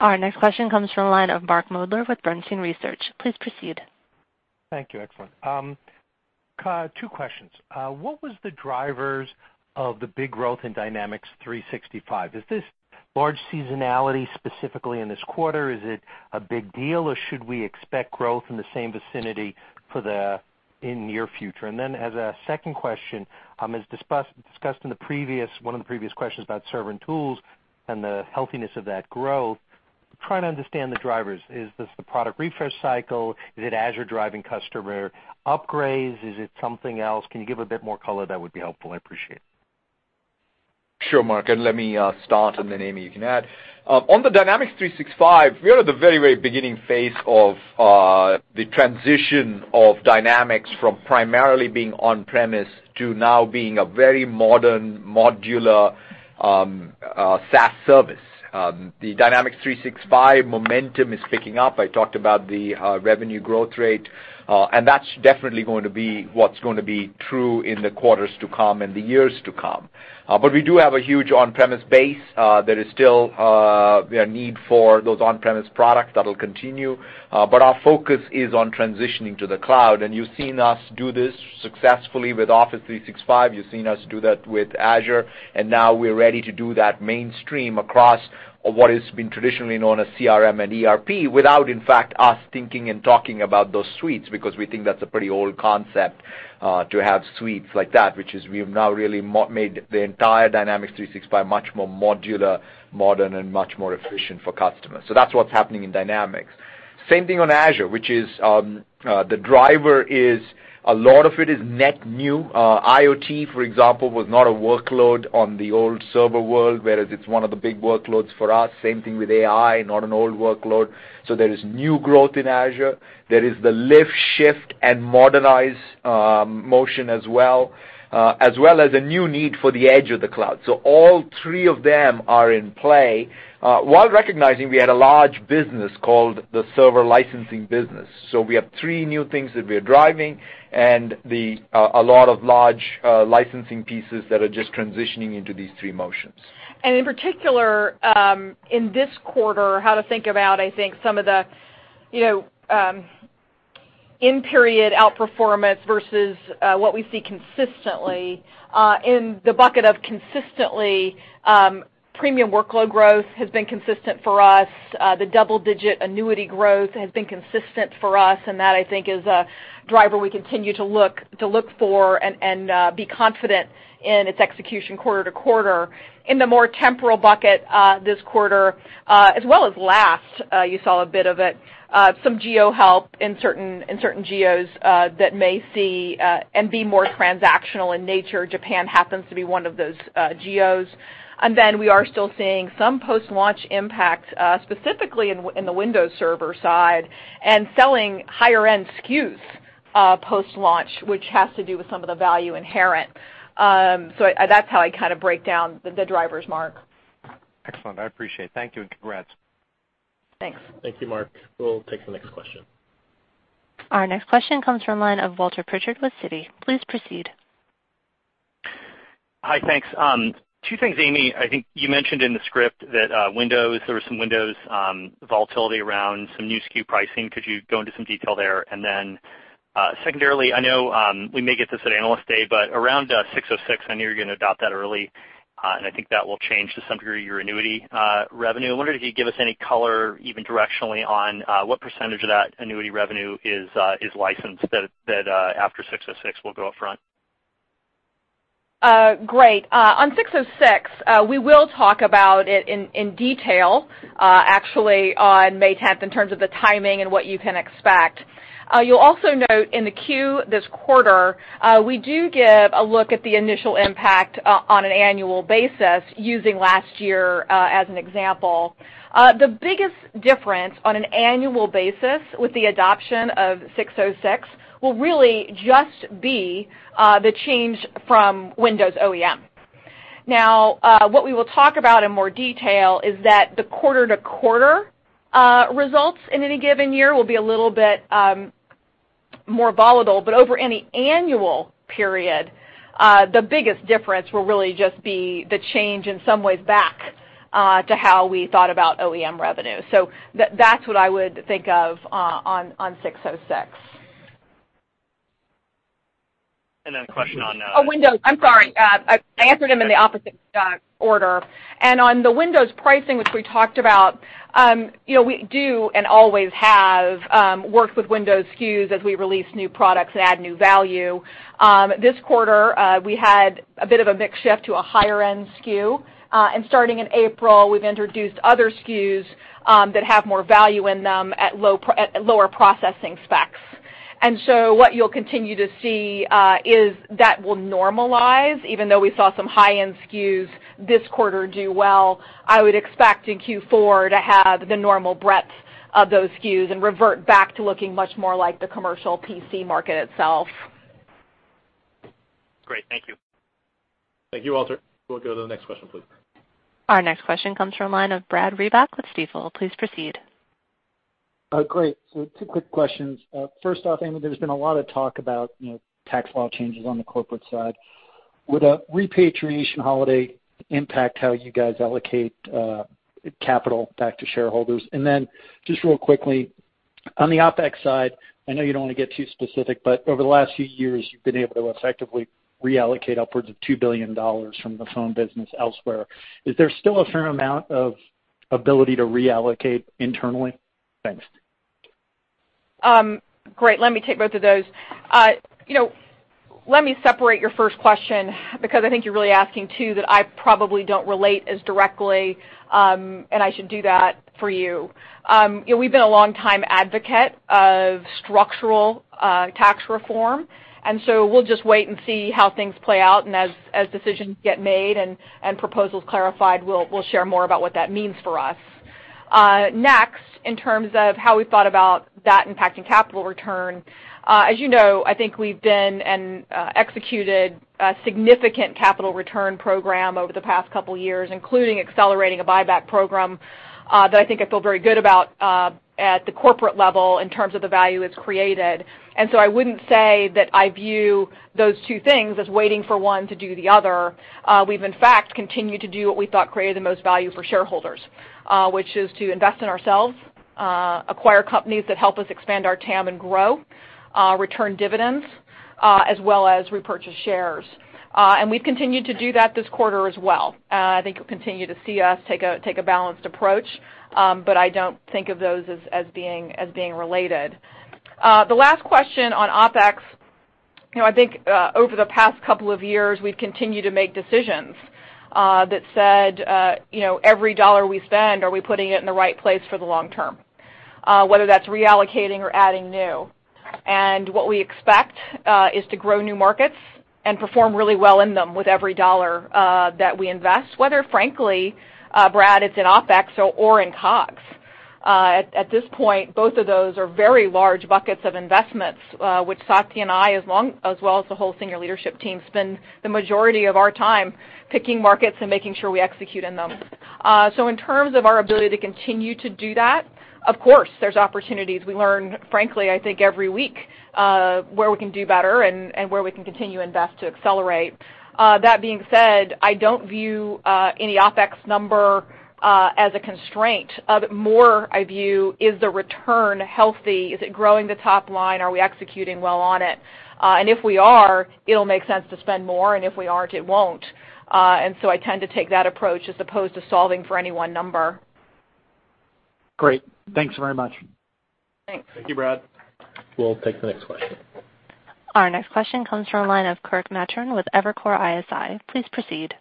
Our next question comes from the line of Mark Moerdler with Bernstein Research. Please proceed. Thank you. Excellent. Two questions. What was the drivers of the big growth in Dynamics 365? Is this large seasonality specifically in this quarter? Is it a big deal, or should we expect growth in the same vicinity in near future? Then as a second question, as discussed in one of the previous questions about server and tools and the healthiness of that growth, I am trying to understand the drivers. Is this the product refresh cycle? Is it Azure driving customer upgrades? Is it something else? Can you give a bit more color? That would be helpful. I appreciate it. Sure, Mark, let me start, and then Amy, you can add. On the Dynamics 365, we are at the very, very beginning phase of the transition of Dynamics from primarily being on-premise to now being a very modern modular SaaS service. The Dynamics 365 momentum is picking up. I talked about the revenue growth rate, that's definitely going to be what's gonna be true in the quarters to come and the years to come. We do have a huge on-premise base. There is still a need for those on-premise products. That'll continue. Our focus is on transitioning to the cloud, you've seen us do this successfully with Office 365. You've seen us do that with Azure, and now we're ready to do that mainstream across what has been traditionally known as CRM and ERP without, in fact, us thinking and talking about those suites because we think that's a pretty old concept. To have suites like that, which is we have now really made the entire Dynamics 365 much more modular, modern, and much more efficient for customers. That's what's happening in Dynamics. Same thing on Azure, which is the driver is a lot of it is net new. IoT, for example, was not a workload on the old server world, whereas it's one of the big workloads for us. Same thing with AI, not an old workload. There is new growth in Azure. There is the lift, shift, and modernize motion as well, as well as a new need for the edge of the cloud. All three of them are in play, while recognizing we had a large business called the server licensing business. We have three new things that we are driving and the, a lot of large, licensing pieces that are just transitioning into these three motions. In particular, in this quarter, how to think about, I think some of the, you know, in period outperformance versus what we see consistently. In the bucket of consistently, premium workload growth has been consistent for us. The double-digit annuity growth has been consistent for us, and that I think is a driver we continue to look for and be confident in its execution quarter-to-quarter. In the more temporal bucket, this quarter, as well as last, you saw a bit of it, some geo help in certain geos that may see and be more transactional in nature. Japan happens to be one of those geos. We are still seeing some post-launch impact, specifically in the Windows Server side and selling higher-end SKUs, post-launch, which has to do with some of the value inherent. That's how I kind of break down the drivers, Mark. Excellent. I appreciate it. Thank you, and congrats. Thanks. Thank you, Mark. We'll take the next question. Our next question comes from line of Walter Pritchard with Citi. Please proceed. Hi, thanks. Two things, Amy. I think you mentioned in the script that Windows, there was some Windows volatility around some new SKU pricing. Could you go into some detail there? Secondarily, I know we may get this at Analyst Day, but around ASC 606, I know you're gonna adopt that early, and I think that will change to some degree your annuity revenue. I wonder if you'd give us any color, even directionally, on what % of that annuity revenue is licensed that after ASC 606 will go up front. Great. On ASC 606, we will talk about it in detail, actually on May 10th in terms of the timing and what you can expect. You'll also note in the Q this quarter, we do give a look at the initial impact on an annual basis using last year as an example. The biggest difference on an annual basis with the adoption of ASC 606 will really just be the change from Windows OEM. Now, what we will talk about in more detail is that the quarter-to-quarter results in any given year will be a little bit more volatile, but over any annual period, the biggest difference will really just be the change in some ways back to how we thought about OEM revenue. That's what I would think of on ASC 606. A question on, Windows. I'm sorry. I answered them in the opposite order. On the Windows pricing, which we talked about, you know, we do and always have worked with Windows SKUs as we release new products and add new value. This quarter, we had a bit of a mix shift to a higher-end SKU. Starting in April, we've introduced other SKUs that have more value in them at lower processing specs. What you'll continue to see is that will normalize, even though we saw some high-end SKUs this quarter do well. I would expect in Q4 to have the normal breadth of those SKUs and revert back to looking much more like the commercial PC market itself. Great. Thank you. Thank you, Walter. We'll go to the next question, please. Our next question comes from line of Brad Reback with Stifel. Please proceed. Great. Two quick questions. First off, Amy Hood, there's been a lot of talk about, you know, tax law changes on the corporate side. Would a repatriation holiday impact how you guys allocate capital back to shareholders? Just real quickly, on the OpEx side, I know you don't wanna get too specific, but over the last few years, you've been able to effectively reallocate upwards of $2 billion from the phone business elsewhere. Is there still a fair amount of ability to reallocate internally? Thanks. Great. Let me take both of those. You know, let me separate your first question because I think you're really asking two that I probably don't relate as directly, and I should do that for you. You know, we've been a long time advocate of structural tax reform, and so we'll just wait and see how things play out. As decisions get made and proposals clarified, we'll share more about what that means for us. Next, in terms of how we thought about that impacting capital return, as you know, I think we've been and executed a significant capital return program over the past couple years, including accelerating a buyback program that I think I feel very good about at the corporate level in terms of the value it's created. I wouldn't say that I view those two things as waiting for one to do the other. We've in fact, continued to do what we thought created the most value for shareholders, which is to invest in ourselves, acquire companies that help us expand our TAM and grow, return dividends, as well as repurchase shares. We've continued to do that this quarter as well. I think you'll continue to see us take a balanced approach, but I don't think of those as being related. The last question on OpEx. You know, I think, over the past two years, we've continued to make decisions, that said, you know, every $ we spend, are we putting it in the right place for the long term, whether that's reallocating or adding new. What we expect is to grow new markets and perform really well in them with every dollar that we invest, whether frankly, Brad, it's in OpEx or in COGS. At this point, both of those are very large buckets of investments, which Satya and I, as well as the whole senior leadership team, spend the majority of our time picking markets and making sure we execute in them. In terms of our ability to continue to do that, of course, there's opportunities. We learn, frankly, I think, every week where we can do better and where we can continue invest to accelerate. That being said, I don't view any OpEx number as a constraint. More I view, is the return healthy? Is it growing the top line? Are we executing well on it? If we are, it'll make sense to spend more, and if we aren't, it won't. I tend to take that approach as opposed to solving for any one number. Great. Thanks very much. Thanks. Thank you, Brad. We'll take the next question. Our next question comes from a line of Kirk Materne with Evercore ISI. Please proceed.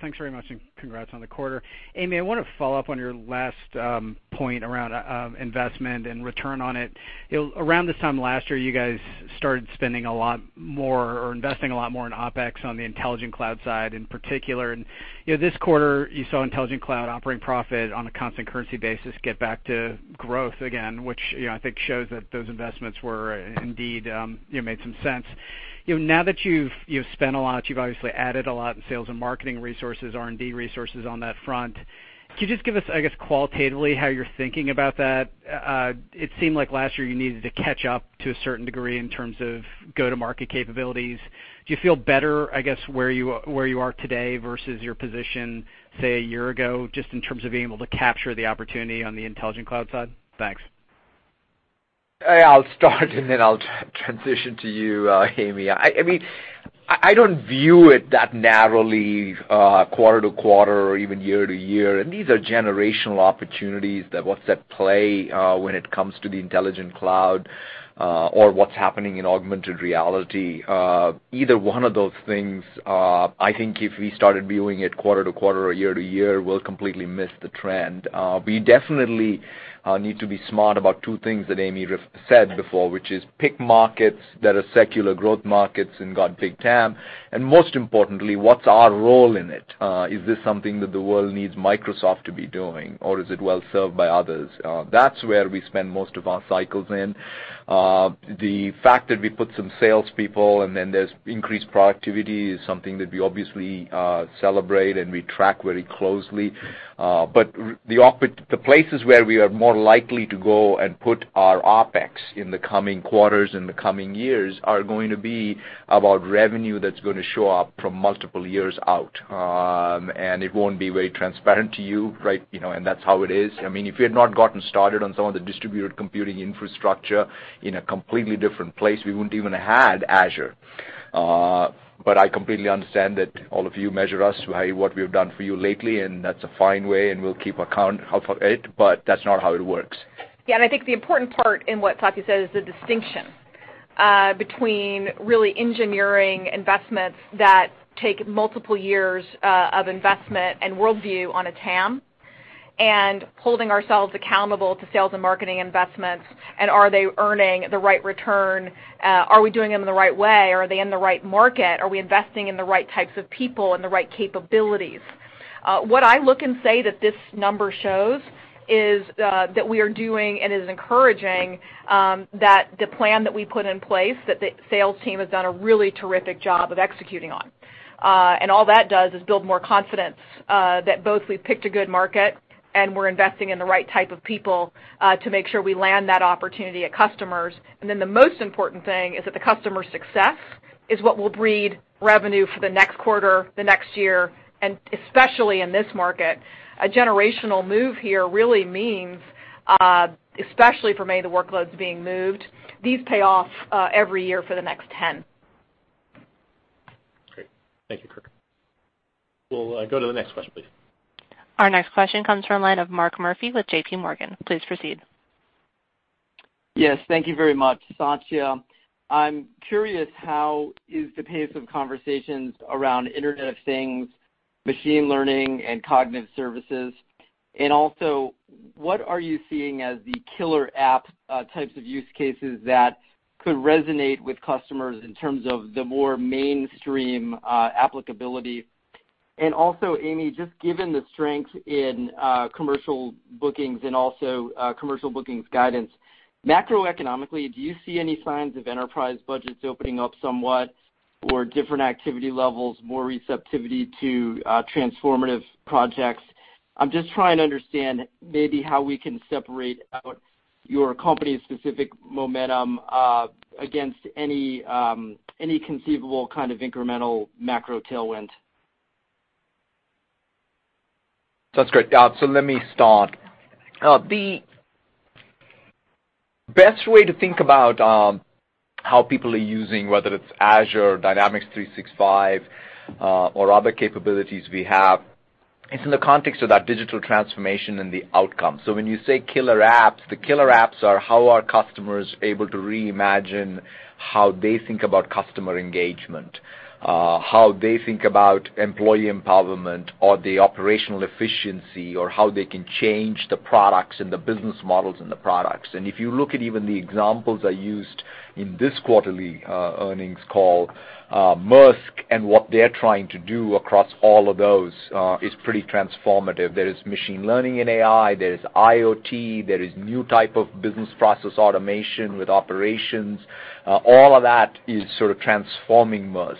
Thanks very much, and congrats on the quarter. Amy, I wanna follow up on your last point around investment and return on it. You know, around this time last year, you guys started spending a lot more or investing a lot more in OpEx on the Intelligent Cloud side in particular. You know, this quarter, you saw Intelligent Cloud operating profit on a constant currency basis get back to growth again, which, you know, I think shows that those investments were indeed, made some sense. You know, now that you've spent a lot, you've obviously added a lot in sales and marketing resources, R&D resources on that front, can you just give us, I guess, qualitatively, how you're thinking about that? It seemed like last year you needed to catch up to a certain degree in terms of go-to-market capabilities. Do you feel better, I guess, where you are today versus your position, say, a year ago, just in terms of being able to capture the opportunity on the Intelligent Cloud side? Thanks. I'll start, and then I'll transition to you, Amy. I mean, I don't view it that narrowly, quarter to quarter or even year to year. These are generational opportunities that what's at play, when it comes to the Intelligent Cloud, or what's happening in augmented reality. Either one of those things, I think if we started viewing it quarter to quarter or year to year, we'll completely miss the trend. We definitely need to be smart about two things that Amy said before, which is pick markets that are secular growth markets and got big TAM, and most importantly, what's our role in it? Is this something that the world needs Microsoft to be doing, or is it well-served by others? That's where we spend most of our cycles in. The fact that we put some salespeople and then there's increased productivity is something that we obviously celebrate, and we track very closely. The places where we are more likely to go and put our OpEx in the coming quarters, in the coming years, are going to be about revenue that's gonna show up from multiple years out. It won't be very transparent to you, right? You know, that's how it is. I mean, if you had not gotten started on some of the distributed computing infrastructure in a completely different place, we wouldn't even had Azure. I completely understand that all of you measure us by what we have done for you lately, and that's a fine way, and we'll keep account of it, but that's not how it works. I think the important part in what Satya said is the distinction between really engineering investments that take multiple years of investment and worldview on a TAM and holding ourselves accountable to sales and marketing investments and are they earning the right return, are we doing them in the right way? Are they in the right market? Are we investing in the right types of people and the right capabilities? What I look and say that this number shows is that we are doing and is encouraging that the plan that we put in place, that the sales team has done a really terrific job of executing on. All that does is build more confidence that both we've picked a good market and we're investing in the right type of people to make sure we land that opportunity at customers. The most important thing is that the customer success is what will breed revenue for the next quarter, the next year, and especially in this market. A generational move here really means especially for many of the workloads being moved, these pay off every year for the next 10. Great. Thank you, Kirk. We'll go to the next question, please. Our next question comes from a line of Mark Murphy with JPMorgan. Please proceed. Yes, thank you very much. Satya, I'm curious how is the pace of conversations around Internet of Things, machine learning, and Cognitive Services? Also, what are you seeing as the killer app types of use cases that could resonate with customers in terms of the more mainstream applicability? Also, Amy, just given the strength in commercial bookings and also commercial bookings guidance, macroeconomically, do you see any signs of enterprise budgets opening up somewhat or different activity levels, more receptivity to transformative projects? I'm just trying to understand maybe how we can separate out your company's specific momentum against any conceivable kind of incremental macro tailwind. That's great. Let me start. The best way to think about how people are using, whether it's Azure, Dynamics 365, or other capabilities we have. It's in the context of that digital transformation and the outcome. When you say killer apps, the killer apps are how are customers able to reimagine how they think about customer engagement, how they think about employee empowerment or the operational efficiency or how they can change the products and the business models and the products. If you look at even the examples I used in this quarterly earnings call, Maersk and what they're trying to do across all of those, is pretty transformative. There is machine learning and AI, there's IoT, there is new type of business process automation with operations. All of that is sort of transforming Maersk.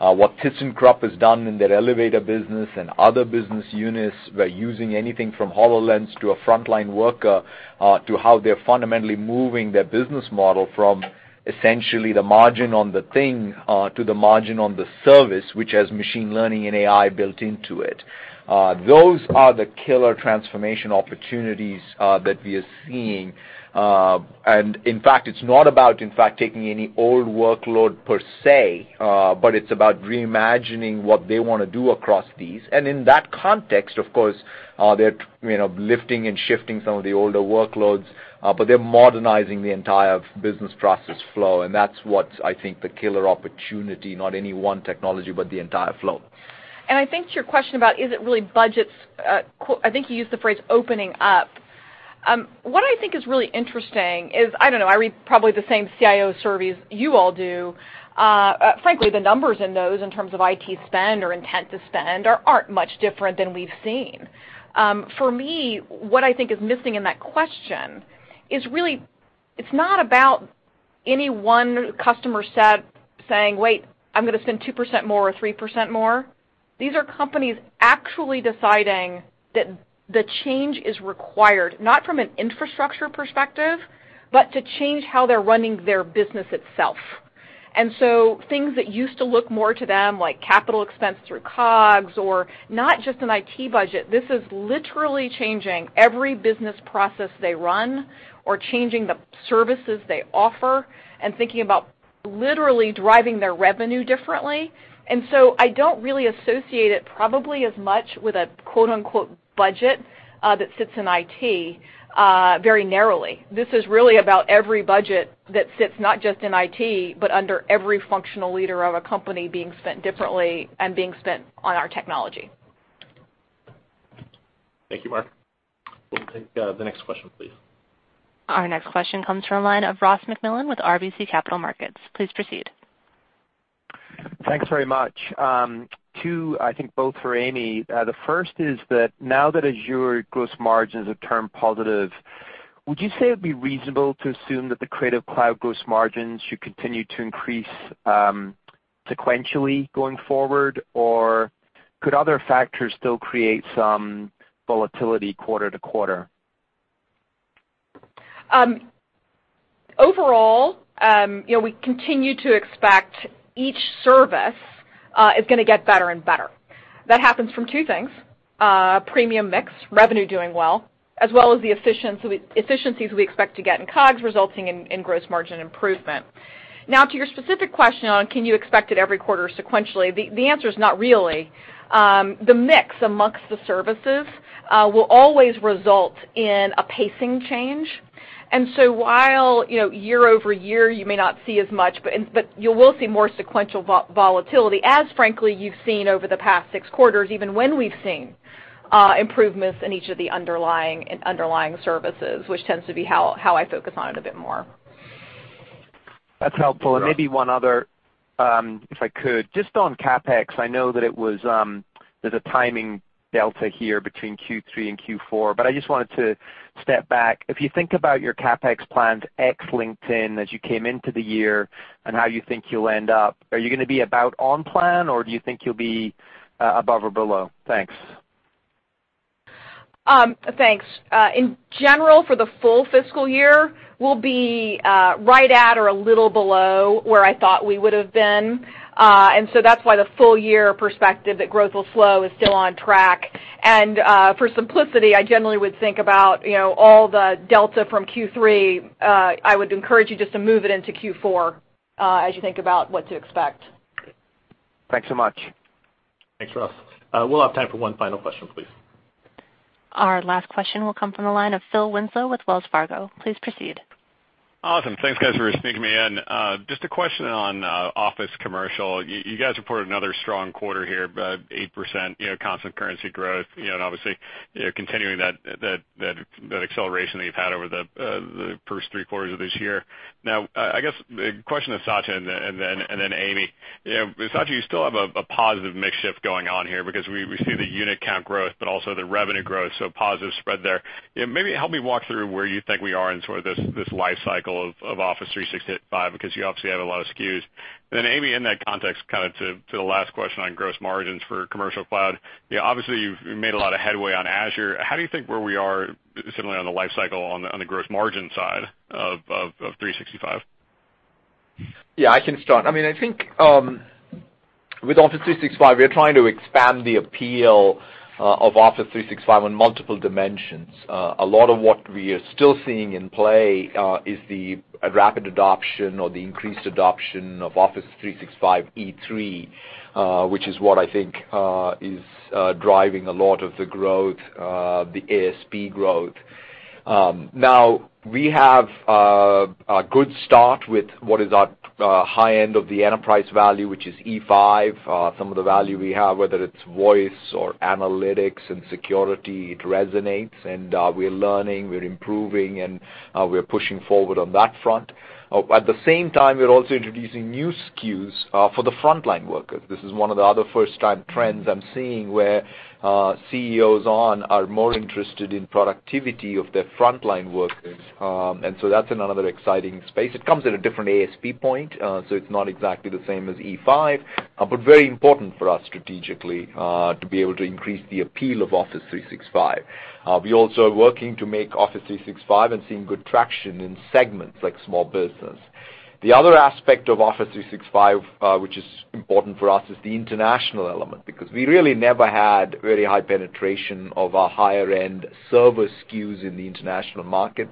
What thyssenkrupp has done in their elevator business and other business units by using anything from HoloLens to a frontline worker, to how they're fundamentally moving their business model from essentially the margin on the thing, to the margin on the service, which has machine learning and AI built into it. Those are the killer transformation opportunities that we are seeing. In fact, it's not about, in fact, taking any old workload per se, but it's about reimagining what they wanna do across these. In that context, of course, they're, you know, lifting and shifting some of the older workloads, but they're modernizing the entire business process flow, and that's what's, I think, the killer opportunity, not any one technology, but the entire flow. I think to your question about is it really budgets, I think you used the phrase opening up. What I think is really interesting is, I don't know, I read probably the same CIO surveys you all do. Frankly, the numbers in those in terms of IT spend or intent to spend are, aren't much different than we've seen. For me, what I think is missing in that question is really it's not about any one customer set saying, "Wait, I'm gonna spend 2% more or 3% more." These are companies actually deciding that the change is required, not from an infrastructure perspective, but to change how they're running their business itself. Things that used to look more to them, like capital expense through COGS or not just an IT budget, this is literally changing every business process they run or changing the services they offer and thinking about literally driving their revenue differently. I don't really associate it probably as much with a, quote-unquote, budget that sits in IT very narrowly. This is really about every budget that sits not just in IT, but under every functional leader of a company being spent differently and being spent on our technology. Thank you, Mark. We'll take the next question, please. Our next question comes from a line of Ross MacMillan with RBC Capital Markets. Please proceed. Thanks very much. Two, I think, both for Amy. The first is that now that Azure gross margins have turned positive, would you say it would be reasonable to assume that the commercial cloud gross margins should continue to increase sequentially going forward, or could other factors still create some volatility quarter-to-quarter? Overall, you know, we continue to expect each service is gonna get better and better. That happens from two things, premium mix, revenue doing well, as well as the efficiencies we expect to get in COGS resulting in gross margin improvement. Now, to your specific question on can you expect it every quarter sequentially, the answer is not really. The mix amongst the services will always result in a pacing change. While, you know, year-over-year you may not see as much, but you will see more sequential volatility, as frankly you've seen over the past six quarters, even when we've seen improvements in each of the underlying services, which tends to be how I focus on it a bit more. That's helpful. Maybe one other, if I could. Just on CapEx, I know that it was, there's a timing delta here between Q3 and Q4, but I just wanted to step back. If you think about your CapEx plans ex LinkedIn as you came into the year and how you think you'll end up, are you gonna be about on plan, or do you think you'll be above or below? Thanks. Thanks. In general, for the full fiscal year, we'll be right at or a little below where I thought we would've been. That's why the full year perspective that growth will slow is still on track. For simplicity, I generally would think about, you know, all the delta from Q3, I would encourage you just to move it into Q4, as you think about what to expect. Thanks so much. Thanks, Ross. We'll have time for one final question, please. Our last question will come from the line of Phil Winslow with Wells Fargo. Please proceed. Awesome. Thanks, guys, for sneaking me in. Just a question on Office Commercial. You guys reported another strong quarter here, 8%, you know, constant currency growth, you know, and obviously, you know, continuing that acceleration that you've had over the first 3 quarters of this year. Now, I guess the question to Satya and then Amy. You know, Satya, you still have a positive mix shift going on here because we see the unit count growth but also the revenue growth, so positive spread there. You know, maybe help me walk through where you think we are in sort of this life cycle of Office 365 because you obviously have a lot of SKUs. Amy, in that context, kind of to the last question on gross margins for Commercial Cloud, you know, obviously you've made a lot of headway on Azure. How do you think where we are similarly on the life cycle on the gross margin side of Office 365? Yeah, I can start. I mean, I think with Office 365, we are trying to expand the appeal of Office 365 on multiple dimensions. A lot of what we are still seeing in play is the rapid adoption or the increased adoption of Office 365 E3, which is what I think is driving a lot of the growth, the ASP growth Now we have a good start with what is our high end of the enterprise value, which is E5. Some of the value we have, whether it's voice or analytics and security, it resonates, and we're learning, we're improving, and we're pushing forward on that front. At the same time, we're also introducing new SKUs for the frontline workers. This is one of the other first-time trends I'm seeing where CEOs are more interested in productivity of their frontline workers. That's another exciting space. It comes at a different ASP point, so it's not exactly the same as E5, but very important for us strategically to be able to increase the appeal of Office 365. We also are working to make Office 365 and seeing good traction in segments like small business. The other aspect of Office 365, which is important for us is the international element because we really never had very high penetration of our higher-end server SKUs in the international markets,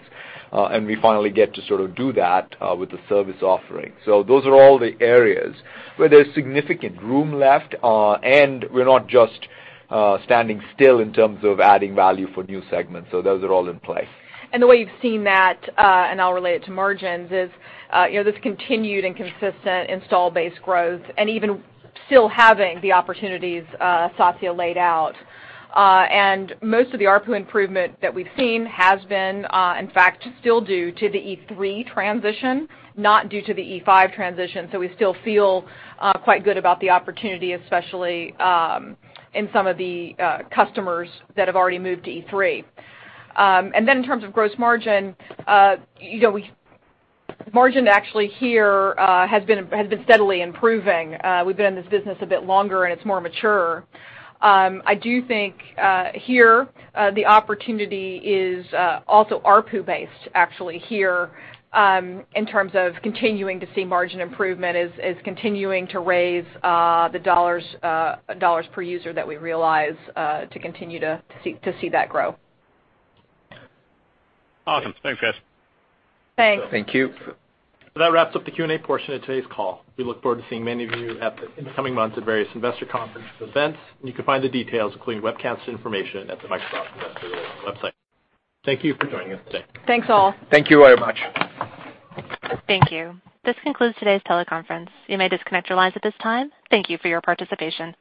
and we finally get to sort of do that with the service offering. Those are all the areas where there's significant room left, and we're not just standing still in terms of adding value for new segments, those are all in play. The way you've seen that, and I'll relate it to margins is, you know, this continued and consistent install-based growth and even still having the opportunities Satya laid out. Most of the ARPU improvement that we've seen has been, in fact still due to the E3 transition, not due to the E5 transition, so we still feel quite good about the opportunity, especially in some of the customers that have already moved to E3. Then in terms of gross margin, you know, margin actually here has been steadily improving. We've been in this business a bit longer, and it's more mature. I do think, here, the opportunity is also ARPU-based actually here, in terms of continuing to see margin improvement is continuing to raise the dollars per user that we realize to continue to see that grow. Awesome. Thanks, guys. Thanks. Thank you. That wraps up the Q&A portion of today's call. We look forward to seeing many of you in the coming months at various investor conference events, and you can find the details, including webcast information, at the Microsoft Investor website. Thank you for joining us today. Thanks, all. Thank you very much. Thank you. This concludes today's teleconference. You may disconnect your lines at this time. Thank you for your participation.